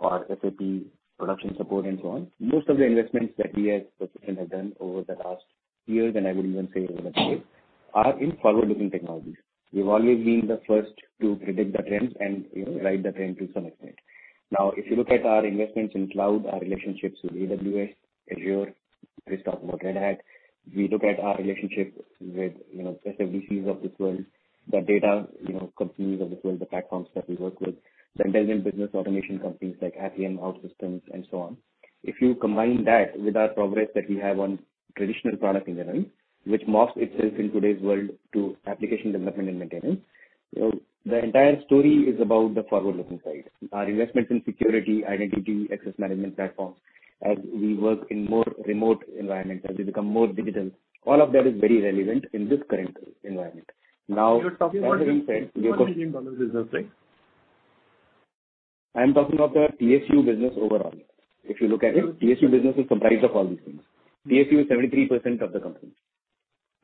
or SAP production support, and so on. Most of the investments that we at Persistent have done over the last years, and I would even say over decades, are in forward-looking technologies. We've always been the first to predict the trends and ride the trend to some extent. If you look at our investments in cloud, our relationships with AWS, Azure, Chris talked about Red Hat. We look at our relationships with the SWCs of this world, the data companies of this world, the platforms that we work with, the intelligent business automation companies like Atrium, OutSystems, and so on. If you combine that with our progress that we have on traditional product engineering, which morphs itself in today's world to application development and maintenance, the entire story is about the forward-looking side. Our investments in security, identity, access management platforms as we work in more remote environments, as we become more digital, all of that is very relevant in this current environment. You're talking about the INR 73 million business, right? I'm talking of the TSU business overall. If you look at it, TSU business is comprised of all these things. TSU is 73% of the company.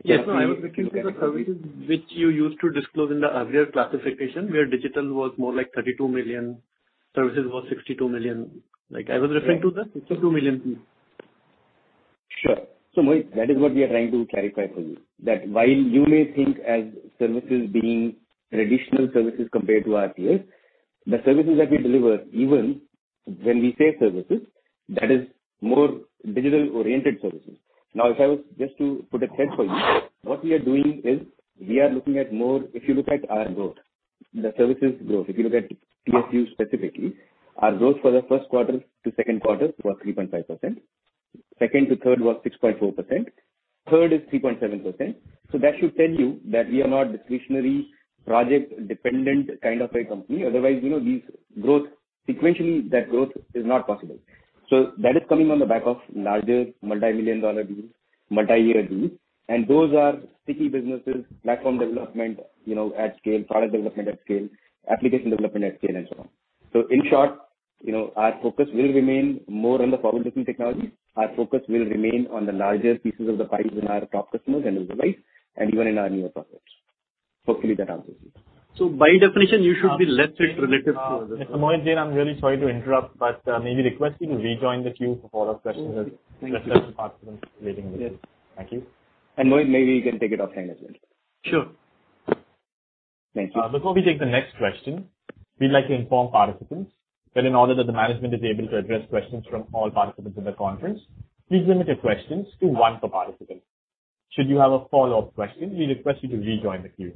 Yes. No, I was looking for the services which you used to disclose in the earlier classification, where digital was more like 32 million, services was 62 million. I was referring to that 62 million piece. Sure. Mohit, that is what we are trying to clarify for you. While you may think as services being traditional services compared to our TSU, the services that we deliver, even when we say services, that is more digital-oriented services. If I was just to put a check for you, what we are doing is we are looking at. If you look at our growth, the services' growth. If you look at TSU specifically, our growth for the first quarter to second quarter was 3.5%. Second to third was 6.4%. Third is 3.7%. That should tell you that we are not a discretionary, project-dependent kind of a company. Otherwise, these growth, sequentially, that growth is not possible. That is coming on the back of larger multi-million dollar deals, multi-year deals, and those are sticky businesses, platform development at scale, product development at scale, application development at scale, and so on. In short, our focus will remain more on the forward-looking technology. Our focus will remain on the larger pieces of the pies in our top customers and otherwise, and even in our newer prospects. Hopefully, that answers it. By definition, you should be less rich. Mohit Jain, I am really sorry to interrupt, but may we request you to rejoin the queue before our question is— Thank you. Rest of the participants waiting in the queue. Thank you. Mohit, maybe you can take it offline as well. Sure. Thank you. Before we take the next question, we'd like to inform participants that in order that the management is able to address questions from all participants in the conference, please limit your questions to one per participant. Should you have a follow-up question, we request you to rejoin the queue.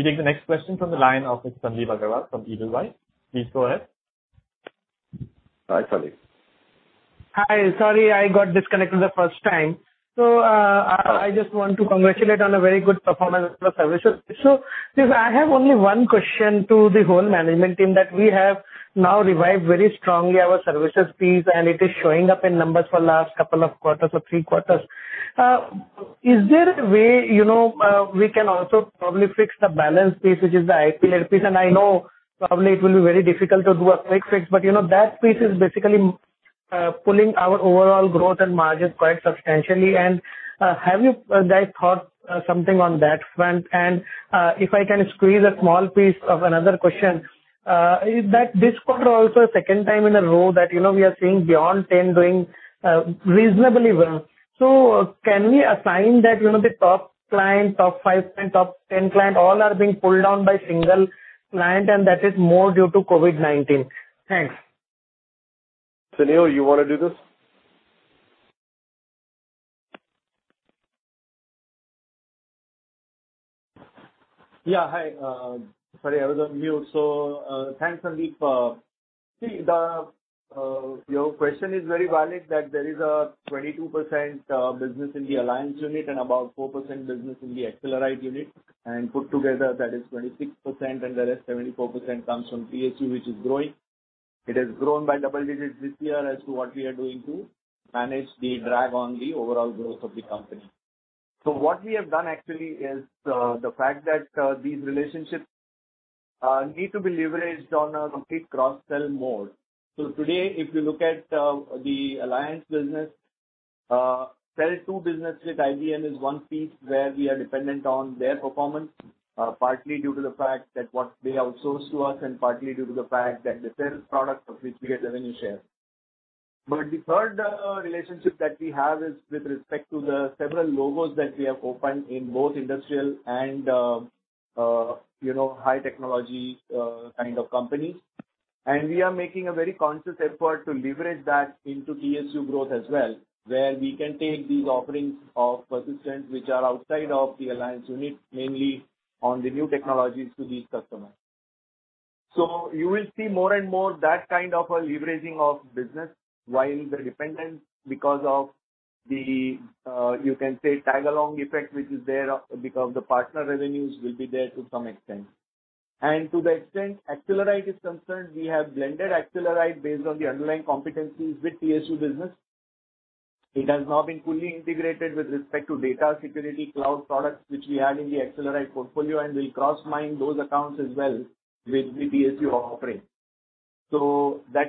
We take the next question from the line of Sandip Agarwal from Edelweiss. Please go ahead. Hi, Sandip. Hi. Sorry, I got disconnected the first time. Chris, I have only one question to the whole management team: that we have now revived very strongly our services piece, and it is showing up in numbers for last couple of quarters or three quarters. Is there a way we can also probably fix the balance piece, which is the IP-led piece? I know probably it will be very difficult to do a quick fix, but that piece is basically pulling our overall growth and margins quite substantially. Have you guys thought something on that front? If I can squeeze a small piece of another question, this quarter also second time in a row that we are seeing beyond 10 doing reasonably well. Can we assign that the top client, top five client, top 10 client, all are being pulled down by single client and that is more due to COVID-19? Thanks. Sunil, you want to do this? Yeah. Hi. Sorry, I was on mute. Thanks, Sandip. Your question is very valid that there is 22% business in the alliance unit and about 4% business in the Accelerite unit, and put together, that is 26%, and the rest, 74%, comes from TSU, which is growing. It has grown by double digits this year as to what we are doing to manage the drag on the overall growth of the company. What we have done actually is the fact that these relationships need to be leveraged on a complete cross-sell mode. Today, if you look at the alliance business. There are two businesses with IBM is one piece where we are dependent on their performance, partly due to the fact that what they outsource to us and partly due to the fact that the sales product of which we get revenue share. The third relationship that we have is with respect to the several logos that we have opened in both industrial and high technology kind of companies. We are making a very conscious effort to leverage that into TSU growth as well, where we can take these offerings of Persistent, which are outside of the alliance unit, mainly on the new technologies to these customers. You will see more and more that kind of a leveraging of business while the dependent, because of the, you can say, tag-along effect, which is there because the partner revenues will be there to some extent. To the extent Accelerite is concerned, we have blended Accelerite based on the underlying competencies with TSU's business. That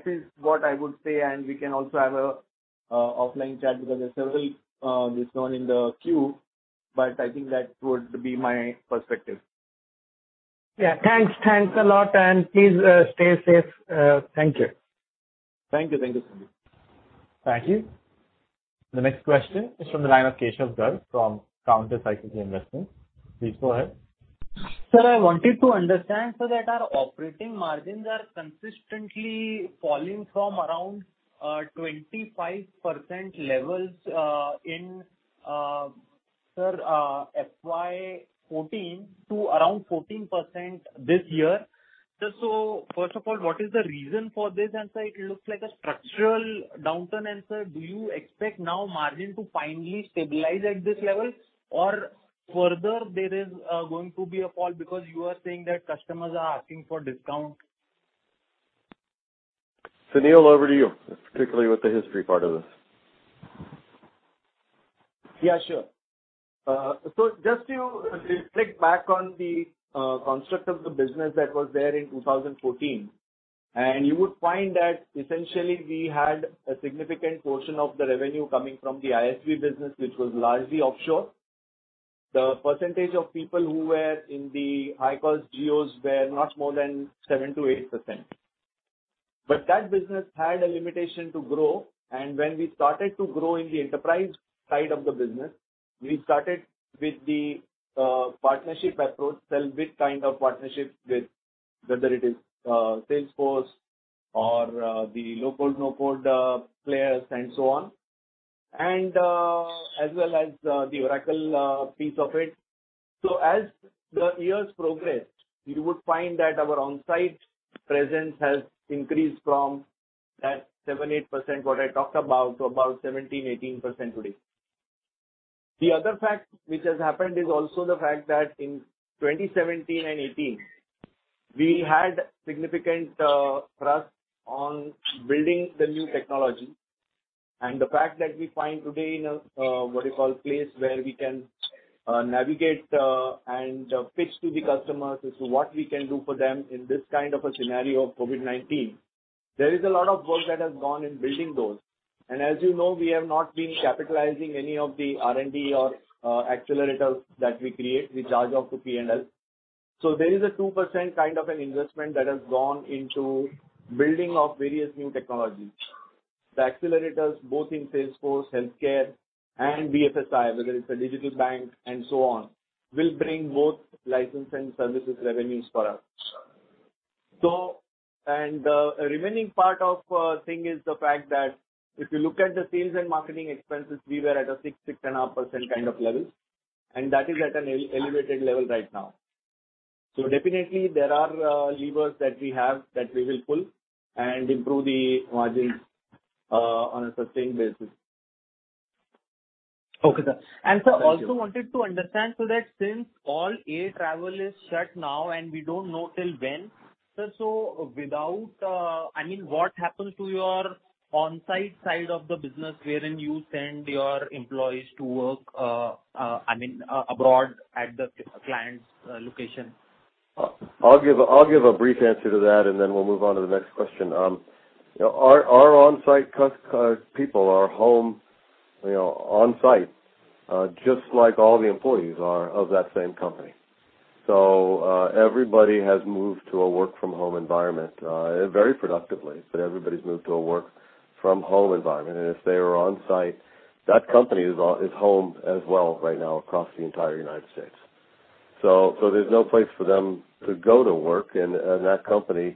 is what I would say, and we can also have an offline chat because there are several this one in the queue, but I think that would be my perspective. Yeah. Thanks a lot. Please stay safe. Thank you. Thank you. Thank you. The next question is from the line of Keshav Garg from Countercyclical Investment. Please go ahead. Sir, I wanted to understand so that our operating margins are consistently falling from around 25% levels in FY 2014 to around 14% this year. First of all, what is the reason for this? Sir, it looks like a structural downturn. Sir, do you expect now margin to finally stabilize at this level? Further, there is going to be a fall because you are saying that customers are asking for discount. Sunil, over to you, particularly with the history part of this. Just to reflect back on the construct of the business that was there in 2014, and you would find that essentially we had a significant portion of the revenue coming from the ISV business, which was largely offshore. The percentage of people who were in the high-cost geos were not more than 7%-8%. That business had a limitation to grow, and when we started to grow in the enterprise side of the business, we started with the partnership approach, sell with kind of partnerships with whether it is Salesforce or the low-code, no-code players and so on. As well as the Oracle piece of it. As the years progressed, you would find that our on-site presence has increased from that 7%, 8% what I talked about, to about 17%, 18% today. The other fact which has happened is also the fact that in 2017 and 2018, we had significant thrust on building the new technology. The fact that we find today in a place where we can navigate and pitch to the customers as to what we can do for them in this kind of a scenario of COVID-19. There is a lot of work that has gone in building those. As you know, we have not been capitalizing any of the R&D or accelerators that we create; we charge off to P&L. There is a 2% kind of an investment that has gone into building of various new technologies. The accelerators, both in Salesforce, healthcare, and BFSI, whether it's a digital bank and so on, will bring both license and services revenues for us. The remaining part of thing is the fact that if you look at the sales and marketing expenses, we were at a 6%, 6.5% kind of level, and that is at an elevated level right now. Definitely there are levers that we have that we will pull and improve the margins on a sustained basis. Okay, sir. Sir, also wanted to understand, since all air travel is shut now and we don't know till when, sir, what happens to your on-site side of the business wherein you send your employees to work abroad at the client's location? I'll give a brief answer to that, then we'll move on to the next question. Our on-site people are home on-site, just like all the employees are of that same company. Everybody has moved to a work-from-home environment, very productively, but everybody's moved to a work-from-home environment. If they are on-site, that company is home as well right now across the entire U.S. There's no place for them to go to work, and that company,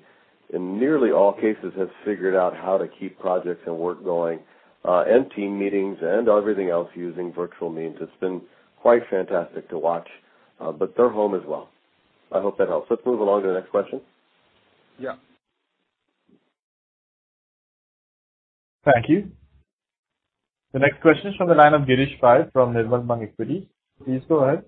in nearly all cases, has figured out how to keep projects and work going and team meetings and everything else using virtual means. It's been quite fantastic to watch. They're home as well. I hope that helps. Let's move along to the next question. Yeah. Thank you. The next question is from the line of Girish Pai from Nirmal Bang Equities. Please go ahead.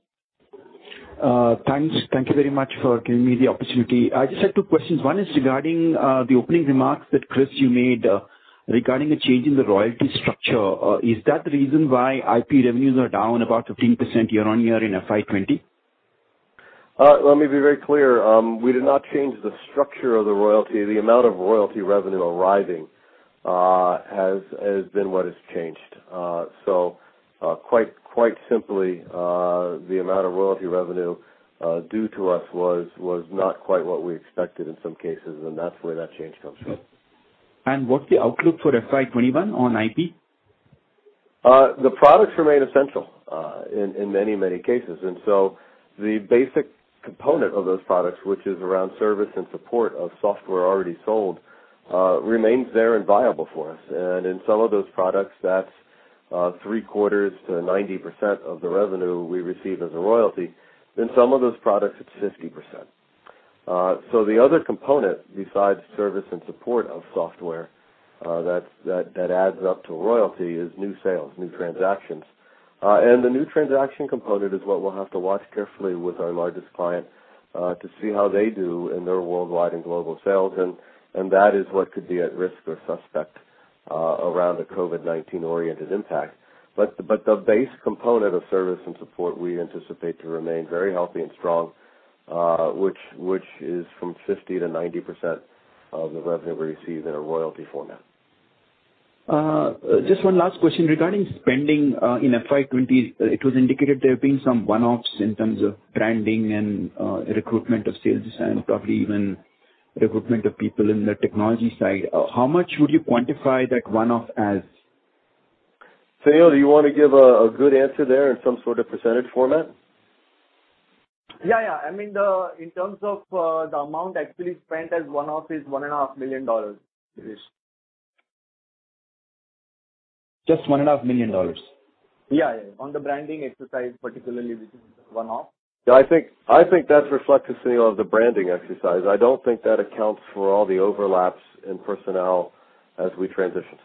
Thanks. Thank you very much for giving me the opportunity. I just have two questions. One is regarding the opening remarks that, Chris, you made regarding the change in the royalty structure. Is that the reason why IP revenues are down about 15% year-on-year in FY 2020? Let me be very clear. We did not change the structure of the royalty. The amount of royalty revenue arriving has been what has changed. Quite simply, the amount of royalty revenue due to us was not quite what we expected in some cases, and that's where that change comes from. What's the outlook for FY 2021 on IP? The products remain essential in many cases. The basic component of those products, which is around service and support of software already sold, remains there and viable for us. In some of those products, that's three-quarters to 90% of the revenue we receive as a royalty. In some of those products, it's 50%. The other component, besides service and support of software, that adds up to royalty is new sales, new transactions. The new transaction component is what we'll have to watch carefully with our largest client to see how they do in their worldwide and global sales. That is what could be at risk or suspect around a COVID-19-oriented impact. The base component of service and support, we anticipate to remain very healthy and strong, which is from 50% to 90% of the revenue we receive in a royalty format. Just one last question. Regarding spending in FY 2020, it was indicated there have been some one-offs in terms of branding and recruitment of sales design, probably even recruitment of people in the technology side. How much would you quantify that one-off as? Sunil, do you want to give a good answer there in some sort of percentage format? Yeah. In terms of the amount actually spent as one-off is $1.5 million. Just INR 1.5 million? Yeah. On the branding exercise, particularly, which is one-off. I think that's reflective, Sunil, of the branding exercise. I don't think that accounts for all the overlaps in personnel as we transition.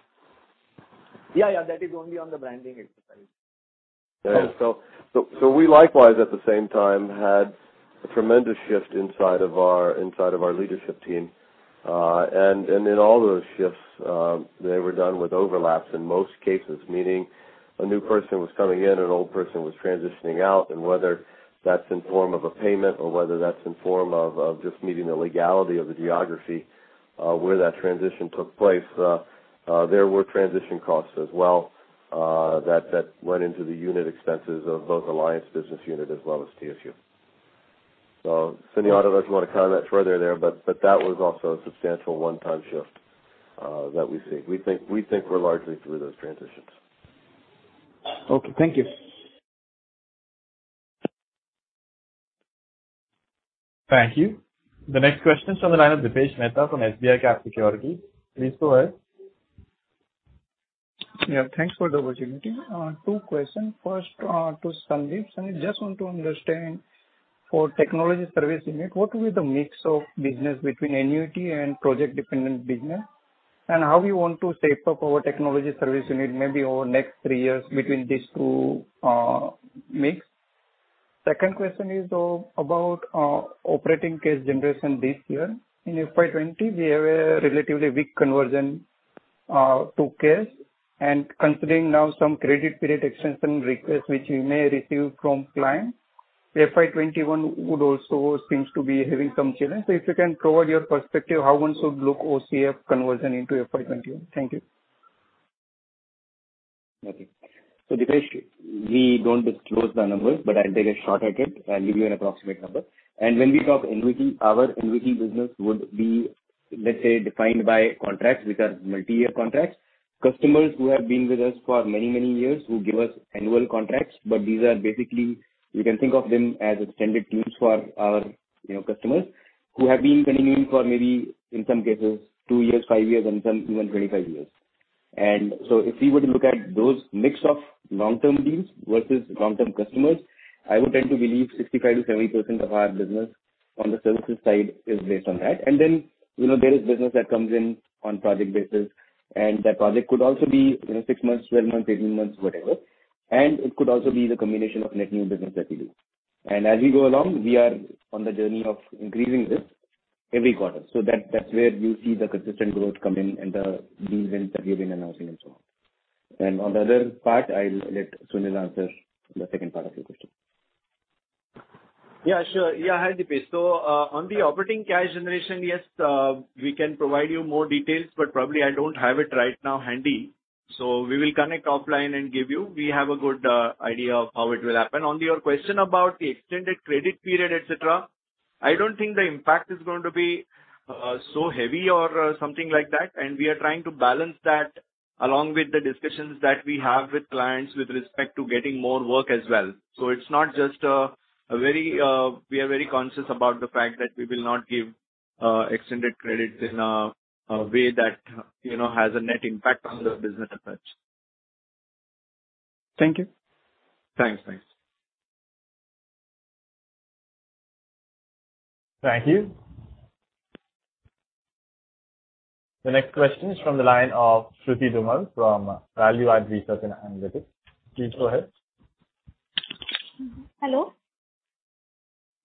Yeah. That is only on the branding exercise. We likewise, at the same time, had a tremendous shift inside of our leadership team. In all those shifts, they were done with overlaps in most cases, meaning a new person was coming in, an old person was transitioning out, and whether that's in form of a payment or whether that's in form of just meeting the legality of the geography where that transition took place, there were transition costs as well that went into the unit expenses of both Alliance business unit as well as TSU. Sunil or if you want to comment further there, that was also a substantial one-time shift that we see. We think we're largely through those transitions. Okay. Thank you. Thank you. The next question is from the line of Dipesh Mehta from SBICAP Securities. Please go ahead. Yeah. Thanks for the opportunity. Two questions. First to Sandeep. Sandeep, just want to understand for Technology Services Unit, what will be the mix of business between annuity and project-dependent business? How you want to shape up our Technology Services Unit maybe over next three years between these two mix? Second question is about operating cash generation this year. In FY 2020, we have a relatively weak conversion to cash. Considering now some credit period extension requests which you may receive from clients, FY 2021 would also seem to be having some challenge. If you can provide your perspective, how one should look OCF conversion into FY 2021? Thank you. Okay. Dipesh, we don't disclose the numbers, but I'll take a shot at it. I'll give you an approximate number. When we talk annuity, our annuity business would be, let's say, defined by contracts which are multi-year contracts. Customers who have been with us for many years who give us annual contracts, but these are basically, you can think of them as extended deals for our customers who have been continuing for maybe, in some cases, two years, five years, and some even 25 years. If we were to look at those mix of long-term deals versus long-term customers, I would tend to believe 65%-70% of our business on the services side is based on that. Then, there is business that comes in on project basis, and that project could also be six months, 12 months, 18 months, whatever. It could also be the combination of net new business that we do. As we go along, we are on the journey of increasing this every quarter. That's where you see the consistent growth coming and the deals that we've been announcing and so on. On the other part, I'll let Sunil answer the second part of your question. Yeah, sure. Hi, Dipesh. On the operating cash generation, yes, we can provide you more details, but probably I don't have it right now handy. We will connect offline and give you. We have a good idea of how it will happen. On your question about the extended credit period, et cetera, I don't think the impact is going to be so heavy or something like that. We are trying to balance that along with the discussions that we have with clients with respect to getting more work as well. We are very conscious about the fact that we will not give extended credit in a way that has a net impact on the business at large. Thank you. Thanks. Thank you. The next question is from the line of Shruti Dhumal from ValueAdd Research and Analytics. Please go ahead. Hello?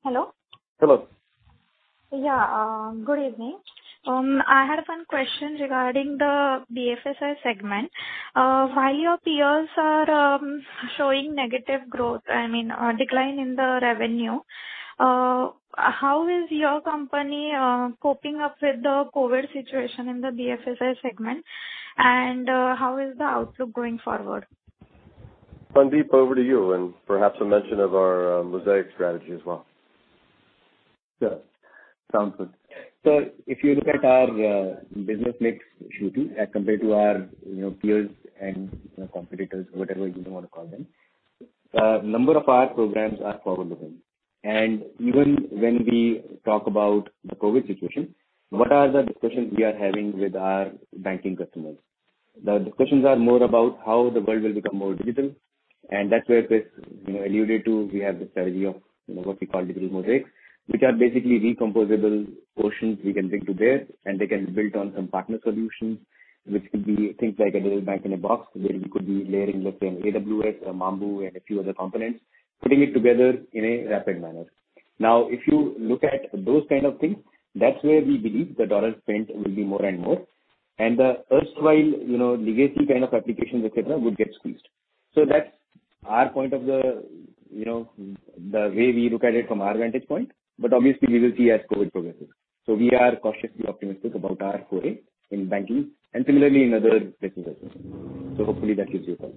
Hello? Hello. Yeah. Good evening. I had one question regarding the BFSI segment. While your peers are showing negative growth, I mean, a decline in the revenue, how is your company coping up with the COVID situation in the BFSI segment? How is the outlook going forward? Sandeep, over to you, and perhaps a mention of our Mosaic strategy as well. Sure. Sounds good. If you look at our business mix, Shruti, as compared to our peers and competitors, whatever you want to call them, a number of our programs are forward-looking. Even when we talk about the COVID-19 situation, what are the discussions we are having with our banking customers? The discussions are more about how the world will become more digital, and that's where Chris alluded to, we have the strategy of what we call "Digital Mosaic," which are basically recomposable portions we can bring to bear, and they can be built on some partner solutions, which could be things like a little bank in a box, where we could be layering, let's say, an AWS, a Mambu, and a few other components, putting it together in a rapid manner. If you look at those kind of things, that's where we believe the dollar spend will be more and more, and the erstwhile legacy kind of applications, et cetera, would get squeezed. That's the way we look at it from our vantage point. Obviously, we will see as COVID progresses. We are cautiously optimistic about our foray in banking and similarly in other technical systems. Hopefully that gives you a thought.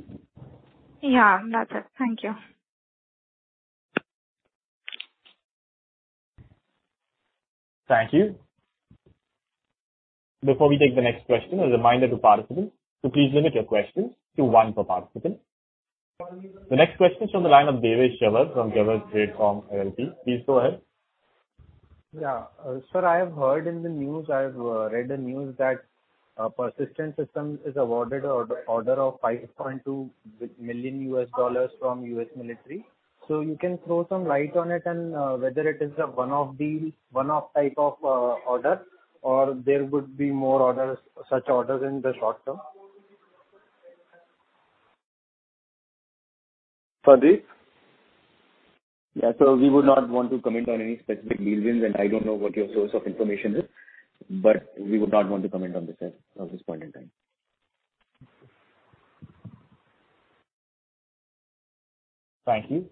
Yeah, that's it. Thank you. Thank you. Before we take the next question, a reminder to participants to please limit your questions to one per participant. The next question is from the line of Devesh Rawat from Rawat Tradecom LLP. Please go ahead. Sir, I have heard in the news; I've read in the news that Persistent Systems is awarded an order of $5.2 million from the U.S. military. You can throw some light on it and whether it is a one-off type of order or there would be more such orders in the short term. Sandeep? Yeah. We would not want to comment on any specific dealings, and I don't know what your source of information is, but we would not want to comment on this at this point in time. Thank you.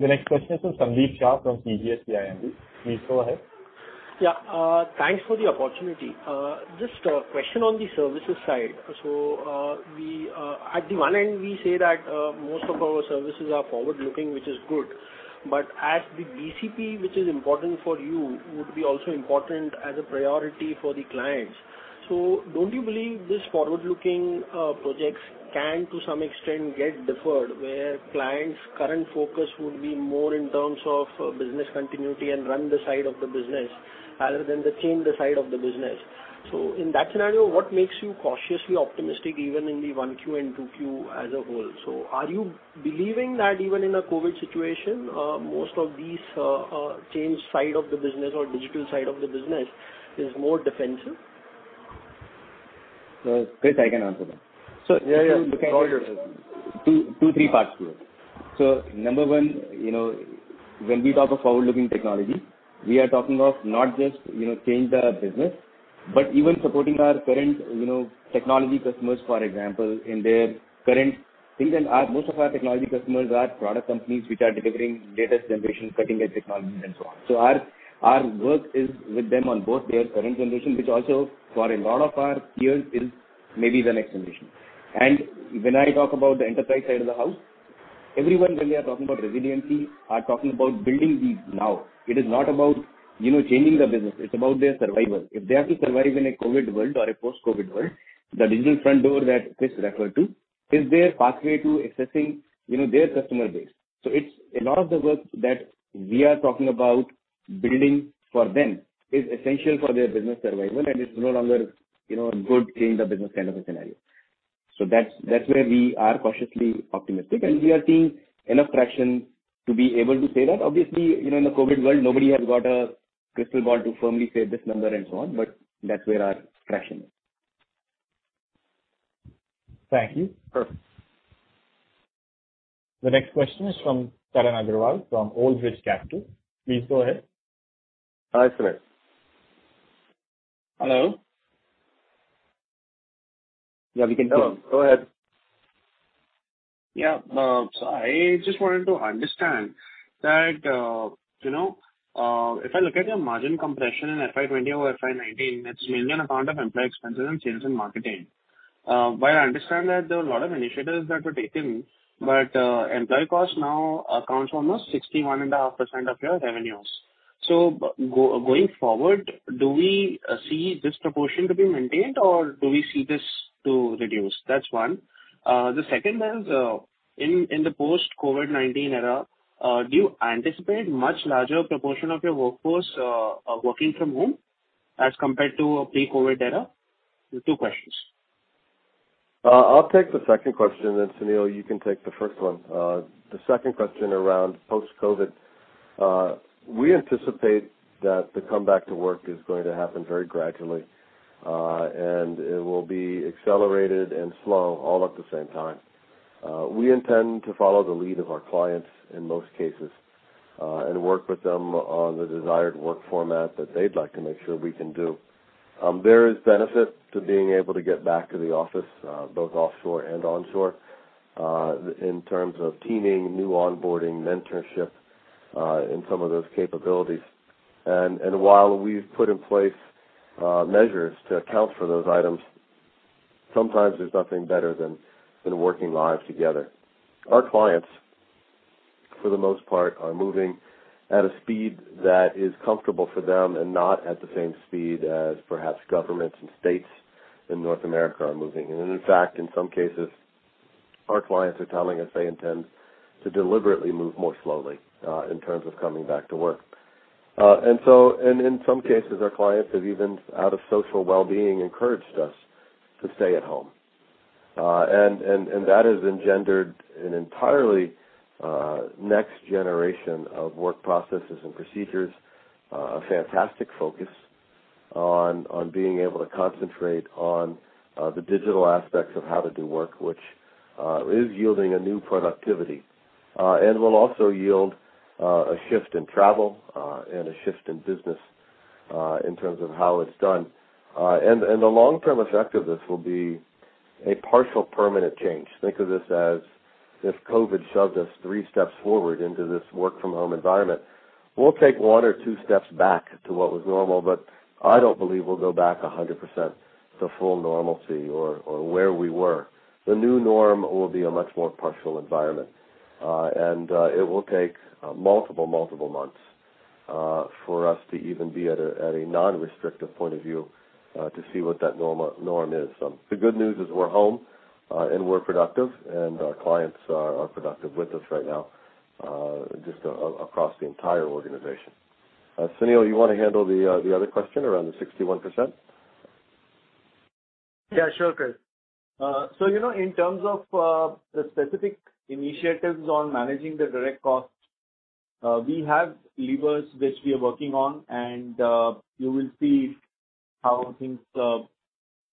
The next question is from Sandeep Shah from CGS-CIMB. Please go ahead. Thanks for the opportunity. Just a question on the services side. At the one end, we say that most of our services are forward-looking, which is good. As the BCP, which is important for you, would be also important as a priority for the clients. Don't you believe this forward-looking projects can, to some extent, get deferred, where clients' current focus would be more in terms of business continuity and run the side of the business rather than the change the side of the business? In that scenario, what makes you cautiously optimistic even in the 1Q and 2Q as a whole? Are you believing that even in a COVID situation, most of these change side of the business or digital side of the business is more defensive? Chris, I can answer that. Yeah. By all means. Two, three parts to it. Number one, when we talk of forward-looking technology, we are talking of not just change the business but even supporting our current technology customers, for example, in their current things. Most of our technology customers are product companies which are delivering latest generation cutting-edge technologies and so on. Our work is with them on both their current generation, which also for a lot of our peers is maybe the next generation. When I talk about the enterprise side of the house, everyone, when they are talking about resiliency, are talking about building these now. It is not about changing the business. It's about their survival. If they have to survive in a COVID world or a post-COVID world, the Digital Front Door that Chris referred to is their pathway to accessing their customer base. A lot of the work that we are talking about building for them is essential for their business survival, and it's no longer good change of business kind of a scenario. That's where we are cautiously optimistic, and we are seeing enough traction to be able to say that. Obviously, in the COVID world, nobody has got a crystal ball to firmly say this number and so on, but that's where our traction is. Thank you. Perfect. The next question is from Tarang Agrawal from Old Bridge Capital. Please go ahead. Hi, Tarang. Hello? Yeah, we can hear you. Go ahead. Yeah. I just wanted to understand that if I look at your margin compression in FY 2020 over FY 2019, it's mainly on account of employee expenses and sales and marketing. While I understand that there are a lot of initiatives that were taken, but employee cost now accounts for almost 61.5% of your revenues. Going forward, do we see this proportion to be maintained, or do we see this to reduce? That's one. The second is, in the post-COVID-19 era, do you anticipate much larger proportion of your workforce working from home as compared to a pre-COVID era? Two questions. I'll take the second question, and Sunil, you can take the first one. The second question around post-COVID. We anticipate that the comeback to work is going to happen very gradually, and it will be accelerated and slow all at the same time. We intend to follow the lead of our clients in most cases and work with them on the desired work format that they'd like to make sure we can do. There is benefit to being able to get back to the office, both offshore and onshore, in terms of teaming, new onboarding, mentorship, and some of those capabilities. While we've put in place measures to account for those items, sometimes there's nothing better than working live together. Our clients, for the most part, are moving at a speed that is comfortable for them and not at the same speed as perhaps governments and states in North America are moving. In fact, in some cases, our clients are telling us they intend to deliberately move more slowly in terms of coming back to work. In some cases, our clients have even, out of social well-being, encouraged us to stay at home. That has engendered an entirely next generation of work processes and procedures, a fantastic focus on being able to concentrate on the digital aspects of how to do work, which is yielding a new productivity. Will also yield a shift in travel and a shift in business in terms of how it's done. The long-term effect of this will be a partial, permanent change. Think of this as if COVID shoved us three steps forward into this work-from-home environment. We'll take one or two steps back to what was normal, but I don't believe we'll go back 100% to full normalcy or where we were. The new norm will be a much more partial environment. It will take multiple months for us to even be at a non-restrictive point of view to see what that norm is. The good news is we're home and we're productive, and our clients are productive with us right now just across the entire organization. Sunil, you want to handle the other question around the 61%? Yeah, sure, Chris. In terms of the specific initiatives on managing the direct costs, we have levers which we are working on, and you will see how things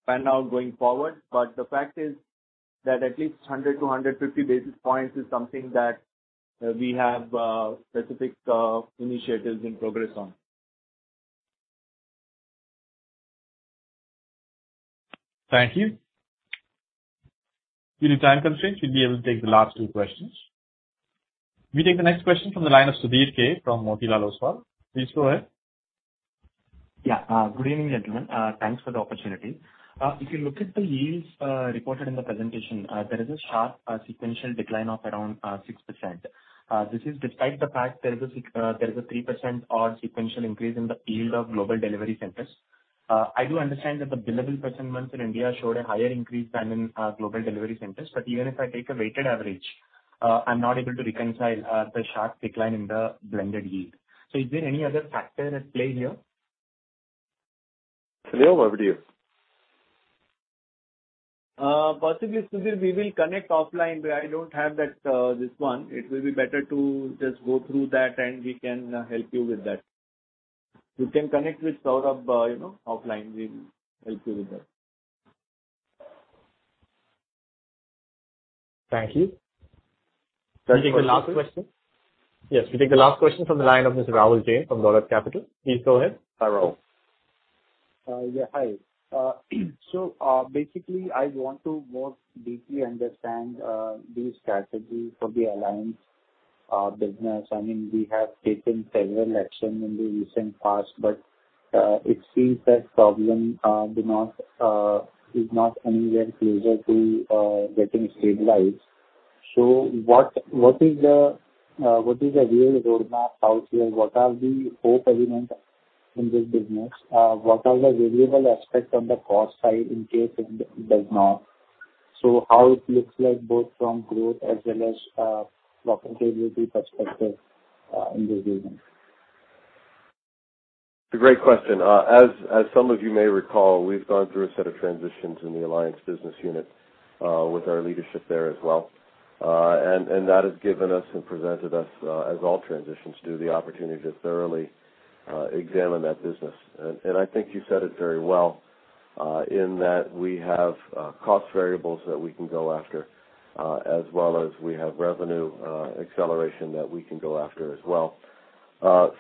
pan out going forward. The fact is that at least 100-150 basis points is something that we have specific initiatives in progress on. Thank you. Due to time constraints, we will be able to take the last two questions. We take the next question from the line of Sudhir K. from Motilal Oswal. Please go ahead. Good evening, gentlemen. Thanks for the opportunity. If you look at the yields reported in the presentation, there is a sharp sequential decline of around 6%. This is despite the fact there is a 3% odd sequential increase in the yield of global delivery centers. I do understand that the billable person months in India showed a higher increase than in global delivery centers, but even if I take a weighted average, I am not able to reconcile the sharp decline in the blended yield. Is there any other factor at play here? Sunil, over to you. Sudhir, we will connect offline. I don't have this one. It will be better to just go through that, and we can help you with that. You can connect with Saurabh offline. We will help you with that. Thank you. We take the last question. Yes, we take the last question from the line of Mr. Rahul Jain from Dolat Capital. Please go ahead. Hi, Rahul. Yeah. Hi. Basically, I want to more deeply understand the strategy for the alliance business. We have taken several actions in the recent past, but it seems that problem is not anywhere closer to getting stabilized. What is the real roadmap out here? What are the hope elements in this business? What are the variable aspects on the cost side in case it does not? How it looks like both from growth as well as profitability perspectives in this business? It's a great question. As some of you may recall, we've gone through a set of transitions in the alliance business unit, with our leadership there as well. That has given us and presented us, as all transitions do, the opportunity to thoroughly examine that business. I think you said it very well in that we have cost variables that we can go after, as well as we have revenue acceleration that we can go after as well.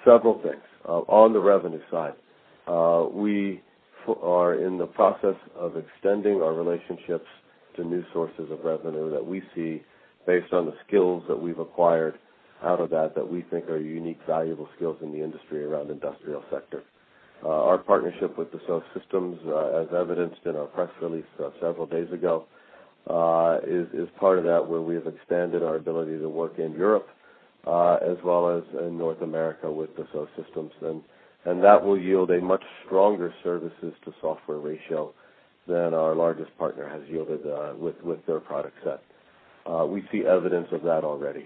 Several things. On the revenue side, we are in the process of extending our relationships to new sources of revenue that we see based on the skills that we've acquired out of that we think are unique, valuable skills in the industry around the industrial sector. Our partnership with Dassault Systèmes, as evidenced in our press release several days ago, is part of that, where we've expanded our ability to work in Europe as well as in North America with Dassault Systèmes. That will yield a much stronger services to software ratio than our largest partner has yielded with their product set. We see evidence of that already.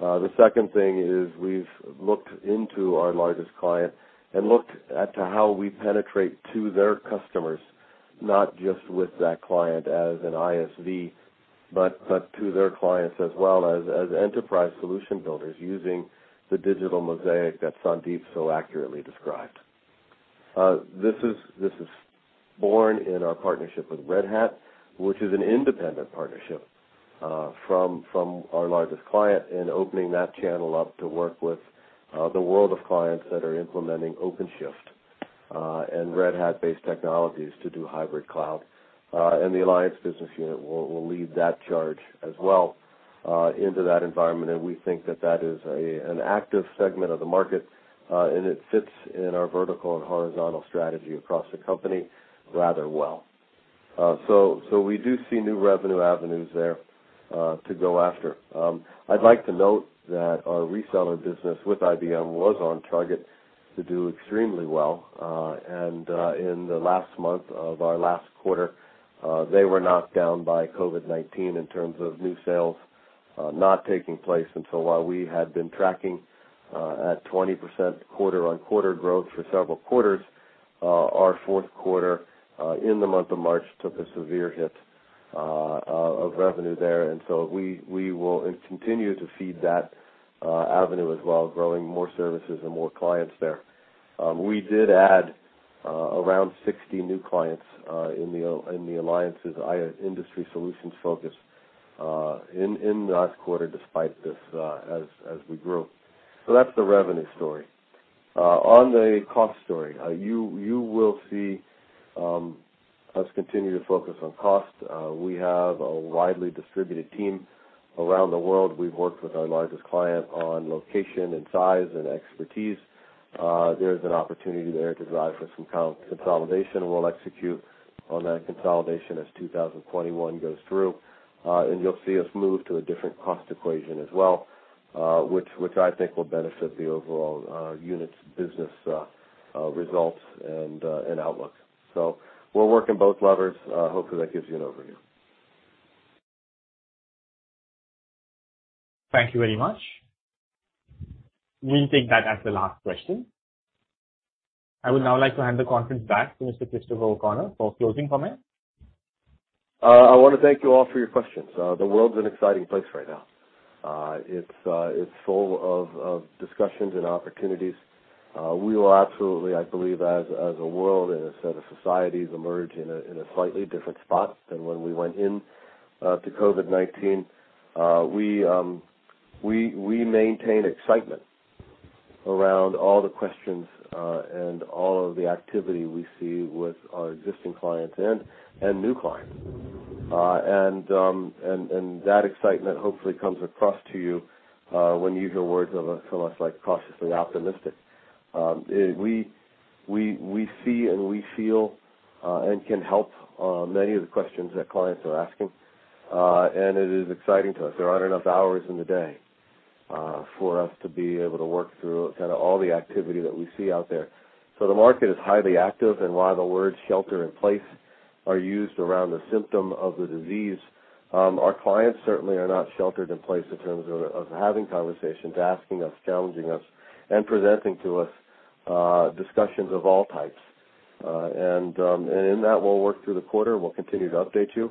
The second thing is we've looked into our largest client and looked at to how we penetrate to their customers, not just with that client as an ISV, but to their clients as well as enterprise solution builders using the Digital Mosaic that Sandeep so accurately described. This is born in our partnership with Red Hat, which is an independent partnership from our largest client in opening that channel up to work with the world of clients that are implementing OpenShift and Red Hat-based technologies to do hybrid cloud. The alliance business unit will lead that charge as well into that environment, and we think that that is an active segment of the market, and it fits in our vertical and horizontal strategy across the company rather well. We do see new revenue avenues there to go after. I'd like to note that our reseller business with IBM was on target to do extremely well. In the last month of our last quarter, they were knocked down by COVID-19 in terms of new sales not taking place. While we had been tracking at 20% quarter-on-quarter growth for several quarters, our fourth quarter, in the month of March, took a severe hit of revenue there. We will continue to feed that avenue as well, growing more services and more clients there. We did add around 60 new clients in the alliances, industry solutions focus, in the last quarter, despite this, as we grew. That's the revenue story. On the cost story, you will see us continue to focus on cost. We have a widely distributed team around the world. We've worked with our largest client on location and size and expertise. There's an opportunity there to drive for some consolidation, and we'll execute on that consolidation as 2021 goes through. You'll see us move to a different cost equation as well, which I think will benefit the overall unit's business results and outlook. We're working both levers. Hopefully, that gives you an overview. Thank you very much. We'll take that as the last question. I would now like to hand the conference back to Mr. Christopher O'Connor for closing comments. I want to thank you all for your questions. The world's an exciting place right now. It's full of discussions and opportunities. We will absolutely, I believe, as a world and a set of societies, emerge in a slightly different spot than when we went into COVID-19. We maintain excitement around all the questions and all of the activity we see with our existing clients and new clients. That excitement hopefully comes across to you when you hear words from us like cautiously optimistic. We see and we feel and can help many of the questions that clients are asking, and it is exciting to us. There aren't enough hours in the day for us to be able to work through kind of all the activity that we see out there. The market is highly active, and while the words "shelter in place" are used around the symptom of the disease, our clients certainly are not sheltered in place in terms of having conversations, asking us, challenging us, and presenting to us discussions of all types. In that, we'll work through the quarter, and we'll continue to update you.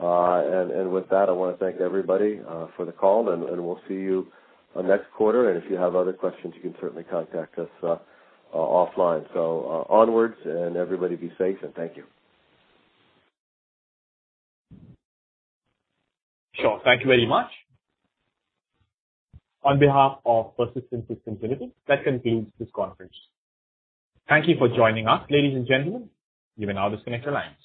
With that, I want to thank everybody for the call, and we'll see you next quarter. If you have other questions, you can certainly contact us offline. Onwards, and everybody be safe, and thank you. Sure. Thank you very much. On behalf of Persistent Systems Limited, that concludes this conference. Thank you for joining us, ladies and gentlemen. You may now disconnect your lines.